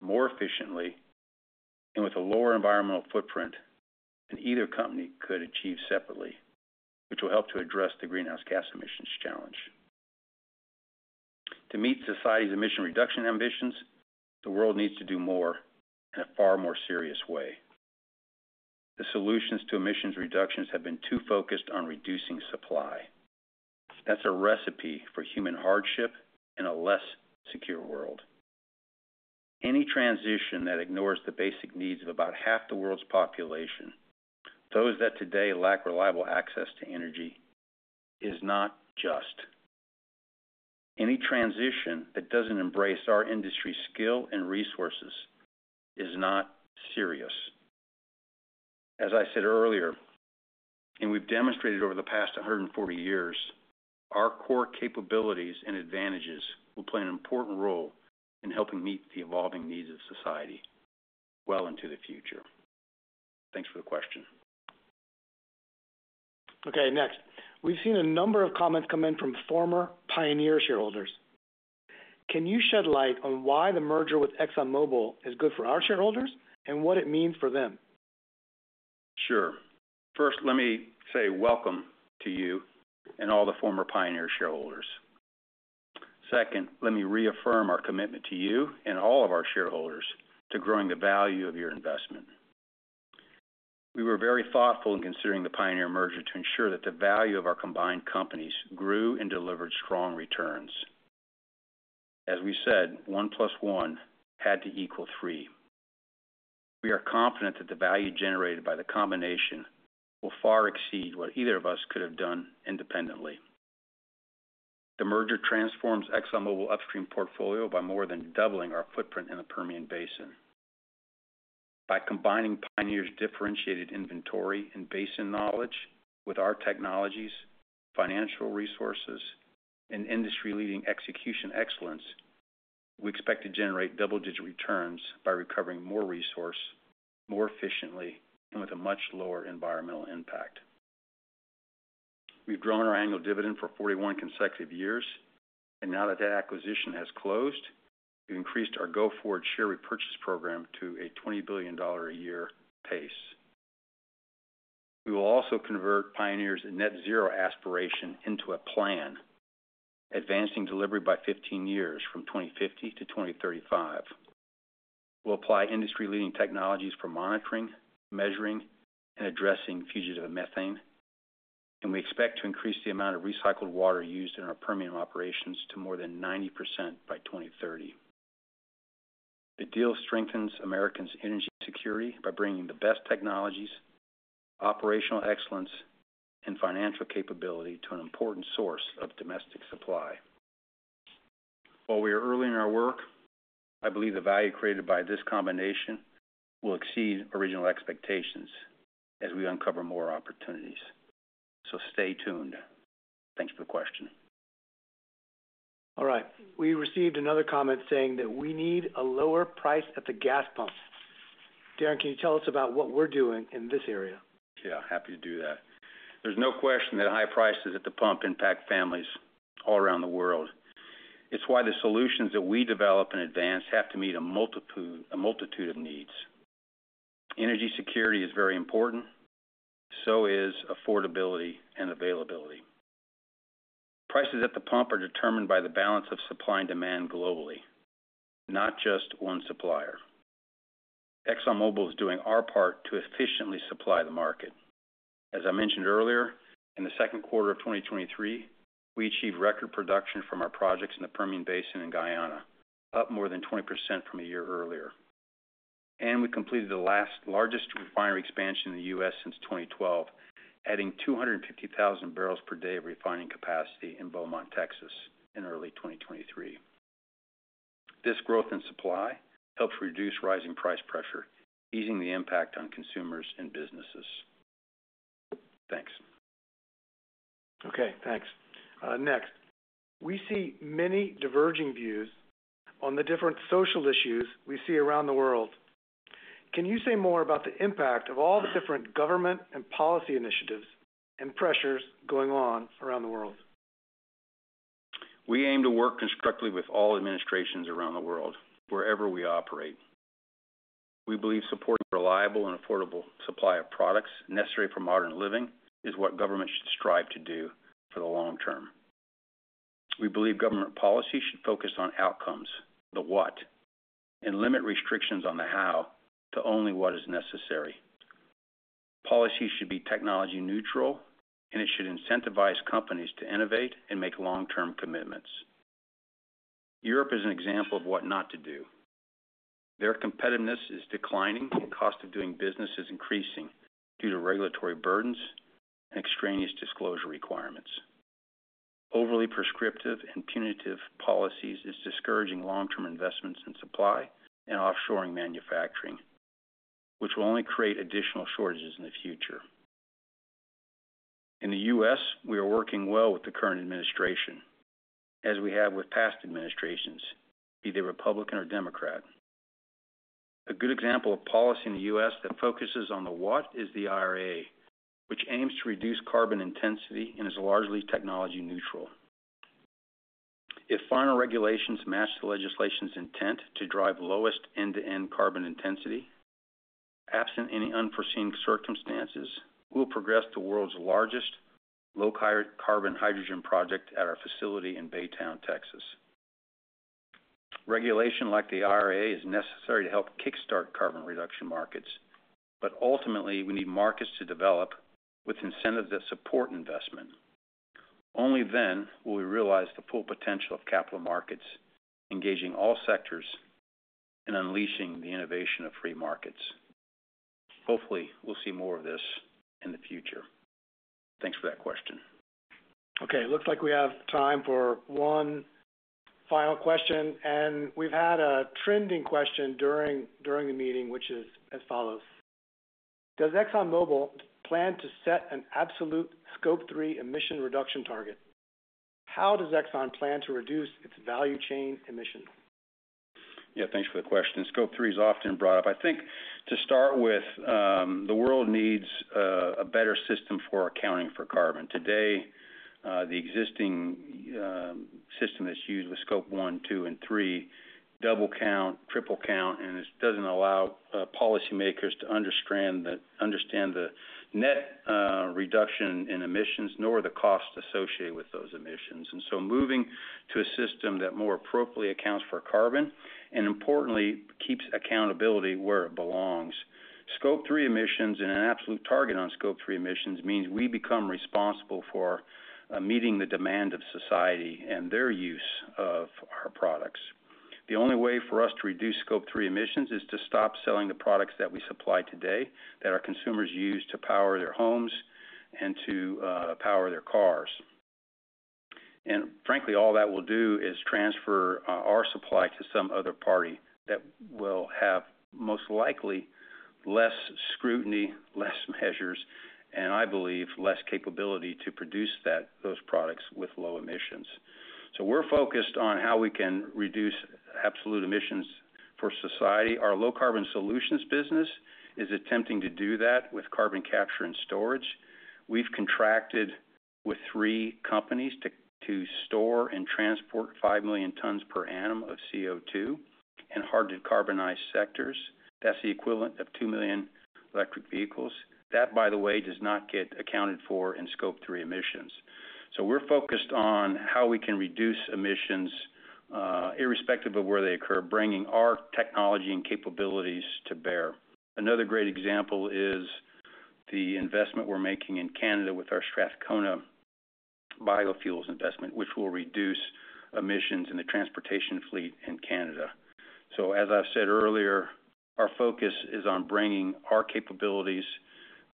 more efficiently, and with a lower environmental footprint than either company could achieve separately, which will help to address the greenhouse gas emissions challenge. To meet society's emission reduction ambitions, the world needs to do more in a far more serious way. The solutions to emissions reductions have been too focused on reducing supply. That's a recipe for human hardship and a less secure world. Any transition that ignores the basic needs of about half the world's population, those that today lack reliable access to energy, is not just. Any transition that doesn't embrace our industry skill and resources is not serious. As I said earlier, and we've demonstrated over the past 140 years, our core capabilities and advantages will play an important role in helping meet the evolving needs of society well into the future. Thanks for the question. Okay, next. We've seen a number of comments come in from former Pioneer shareholders. Can you shed light on why the merger with ExxonMobil is good for our shareholders and what it means for them? Sure. First, let me say welcome to you and all the former Pioneer shareholders. Second, let me reaffirm our commitment to you and all of our shareholders to growing the value of your investment. We were very thoughtful in considering the Pioneer merger to ensure that the value of our combined companies grew and delivered strong returns. As we said, one plus one had to equal three. We are confident that the value generated by the combination will far exceed what either of us could have done independently.... The merger transforms ExxonMobil upstream portfolio by more than doubling our footprint in the Permian Basin. By combining Pioneer's differentiated inventory and basin knowledge with our technologies, financial resources, and industry-leading execution excellence, we expect to generate double-digit returns by recovering more resource, more efficiently, and with a much lower environmental impact. We've grown our annual dividend for 41 consecutive years, and now that that acquisition has closed, we've increased our go-forward share repurchase program to a $20 billion a year pace. We will also convert Pioneer's net zero aspiration into a plan, advancing delivery by 15 years from 2050 to 2035. We'll apply industry-leading technologies for monitoring, measuring, and addressing fugitive methane, and we expect to increase the amount of recycled water used in our Permian operations to more than 90% by 2030. The deal strengthens Americans' energy security by bringing the best technologies, operational excellence, and financial capability to an important source of domestic supply. While we are early in our work, I believe the value created by this combination will exceed original expectations as we uncover more opportunities. So stay tuned. Thanks for the question. All right, we received another comment saying that we need a lower price at the gas pump. Darren, can you tell us about what we're doing in this area? Yeah, happy to do that. There's no question that high prices at the pump impact families all around the world. It's why the solutions that we develop in advance have to meet a multitude of needs. Energy security is very important, so is affordability and availability. Prices at the pump are determined by the balance of supply and demand globally, not just one supplier. ExxonMobil is doing our part to efficiently supply the market. As I mentioned earlier, in the second quarter of 2023, we achieved record production from our projects in the Permian Basin in Guyana, up more than 20% from a year earlier. And we completed the largest refinery expansion in the U.S. since 2012, adding 250,000 barrels per day of refining capacity in Beaumont, Texas, in early 2023. This growth in supply helps reduce rising price pressure, easing the impact on consumers and businesses. Thanks. Okay, thanks. Next. We see many diverging views on the different social issues we see around the world. Can you say more about the impact of all the different government and policy initiatives and pressures going on around the world? We aim to work constructively with all administrations around the world, wherever we operate. We believe supporting reliable and affordable supply of products necessary for modern living is what government should strive to do for the long term. We believe government policy should focus on outcomes, the what, and limit restrictions on the how to only what is necessary. Policy should be technology neutral, and it should incentivize companies to innovate and make long-term commitments. Europe is an example of what not to do. Their competitiveness is declining, and cost of doing business is increasing due to regulatory burdens and extraneous disclosure requirements. Overly prescriptive and punitive policies is discouraging long-term investments in supply and offshoring manufacturing, which will only create additional shortages in the future. In the U.S., we are working well with the current administration, as we have with past administrations, be they Republican or Democrat. A good example of policy in the U.S. that focuses on the what is the IRA, which aims to reduce carbon intensity and is largely technology neutral. If final regulations match the legislation's intent to drive lowest end-to-end carbon intensity, absent any unforeseen circumstances, we'll progress the world's largest low carbon hydrogen project at our facility in Baytown, Texas. Regulation like the IRA is necessary to help kickstart carbon reduction markets, but ultimately, we need markets to develop with incentives that support investment. Only then will we realize the full potential of capital markets, engaging all sectors and unleashing the innovation of free markets. Hopefully, we'll see more of this in the future. Thanks for that question. Okay, it looks like we have time for one final question, and we've had a trending question during the meeting, which is as follows: Does ExxonMobil plan to set an absolute Scope 3 emission reduction target? How does Exxon plan to reduce its value chain emissions? Yeah, thanks for the question. Scope 3 is often brought up. I think to start with, the world needs a better system for accounting for carbon. Today, the existing system that's used with Scope 1, 2, and 3 double counts, triple counts, and this doesn't allow policymakers to understand the net reduction in emissions, nor the cost associated with those emissions. And so moving to a system that more appropriately accounts for carbon, and importantly, keeps accountability where it belongs. Scope 3 emissions and an absolute target on Scope 3 emissions means we become responsible for meeting the demand of society and their use of the products. The only way for us to reduce Scope 3 emissions is to stop selling the products that we supply today, that our consumers use to power their homes and to power their cars. Frankly, all that will do is transfer our supply to some other party that will have most likely less scrutiny, less measures, and I believe, less capability to produce those products with low emissions. So we're focused on how we can reduce absolute emissions for society. Our low carbon solutions business is attempting to do that with carbon capture and storage. We've contracted with three companies to store and transport 5 million tons per annum of CO2 in hard to carbonize sectors. That's the equivalent of 2 million electric vehicles. That, by the way, does not get accounted for in Scope 3 emissions. So we're focused on how we can reduce emissions, irrespective of where they occur, bringing our technology and capabilities to bear. Another great example is the investment we're making in Canada with our Strathcona Biofuels investment, which will reduce emissions in the transportation fleet in Canada. So as I've said earlier, our focus is on bringing our capabilities,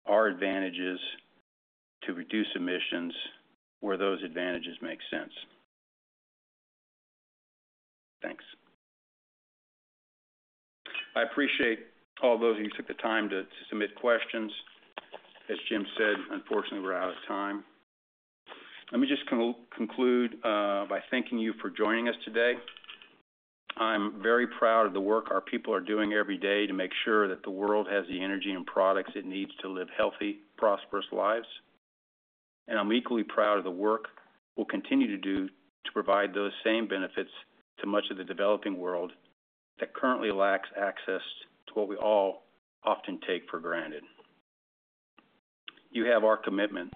our advantages, to reduce emissions where those advantages make sense. Thanks. I appreciate all those of you who took the time to submit questions. As Jim said, unfortunately, we're out of time. Let me just conclude by thanking you for joining us today. I'm very proud of the work our people are doing every day to make sure that the world has the energy and products it needs to live healthy, prosperous lives. And I'm equally proud of the work we'll continue to do to provide those same benefits to much of the developing world that currently lacks access to what we all often take for granted. You have our commitment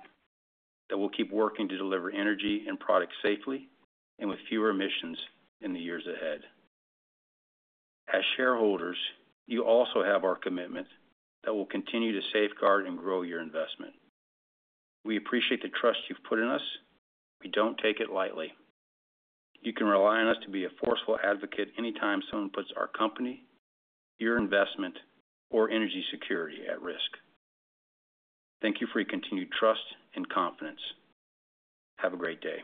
that we'll keep working to deliver energy and products safely and with fewer emissions in the years ahead. As shareholders, you also have our commitment that we'll continue to safeguard and grow your investment. We appreciate the trust you've put in us. We don't take it lightly. You can rely on us to be a forceful advocate anytime someone puts our company, your investment, or energy security at risk. Thank you for your continued trust and confidence. Have a great day.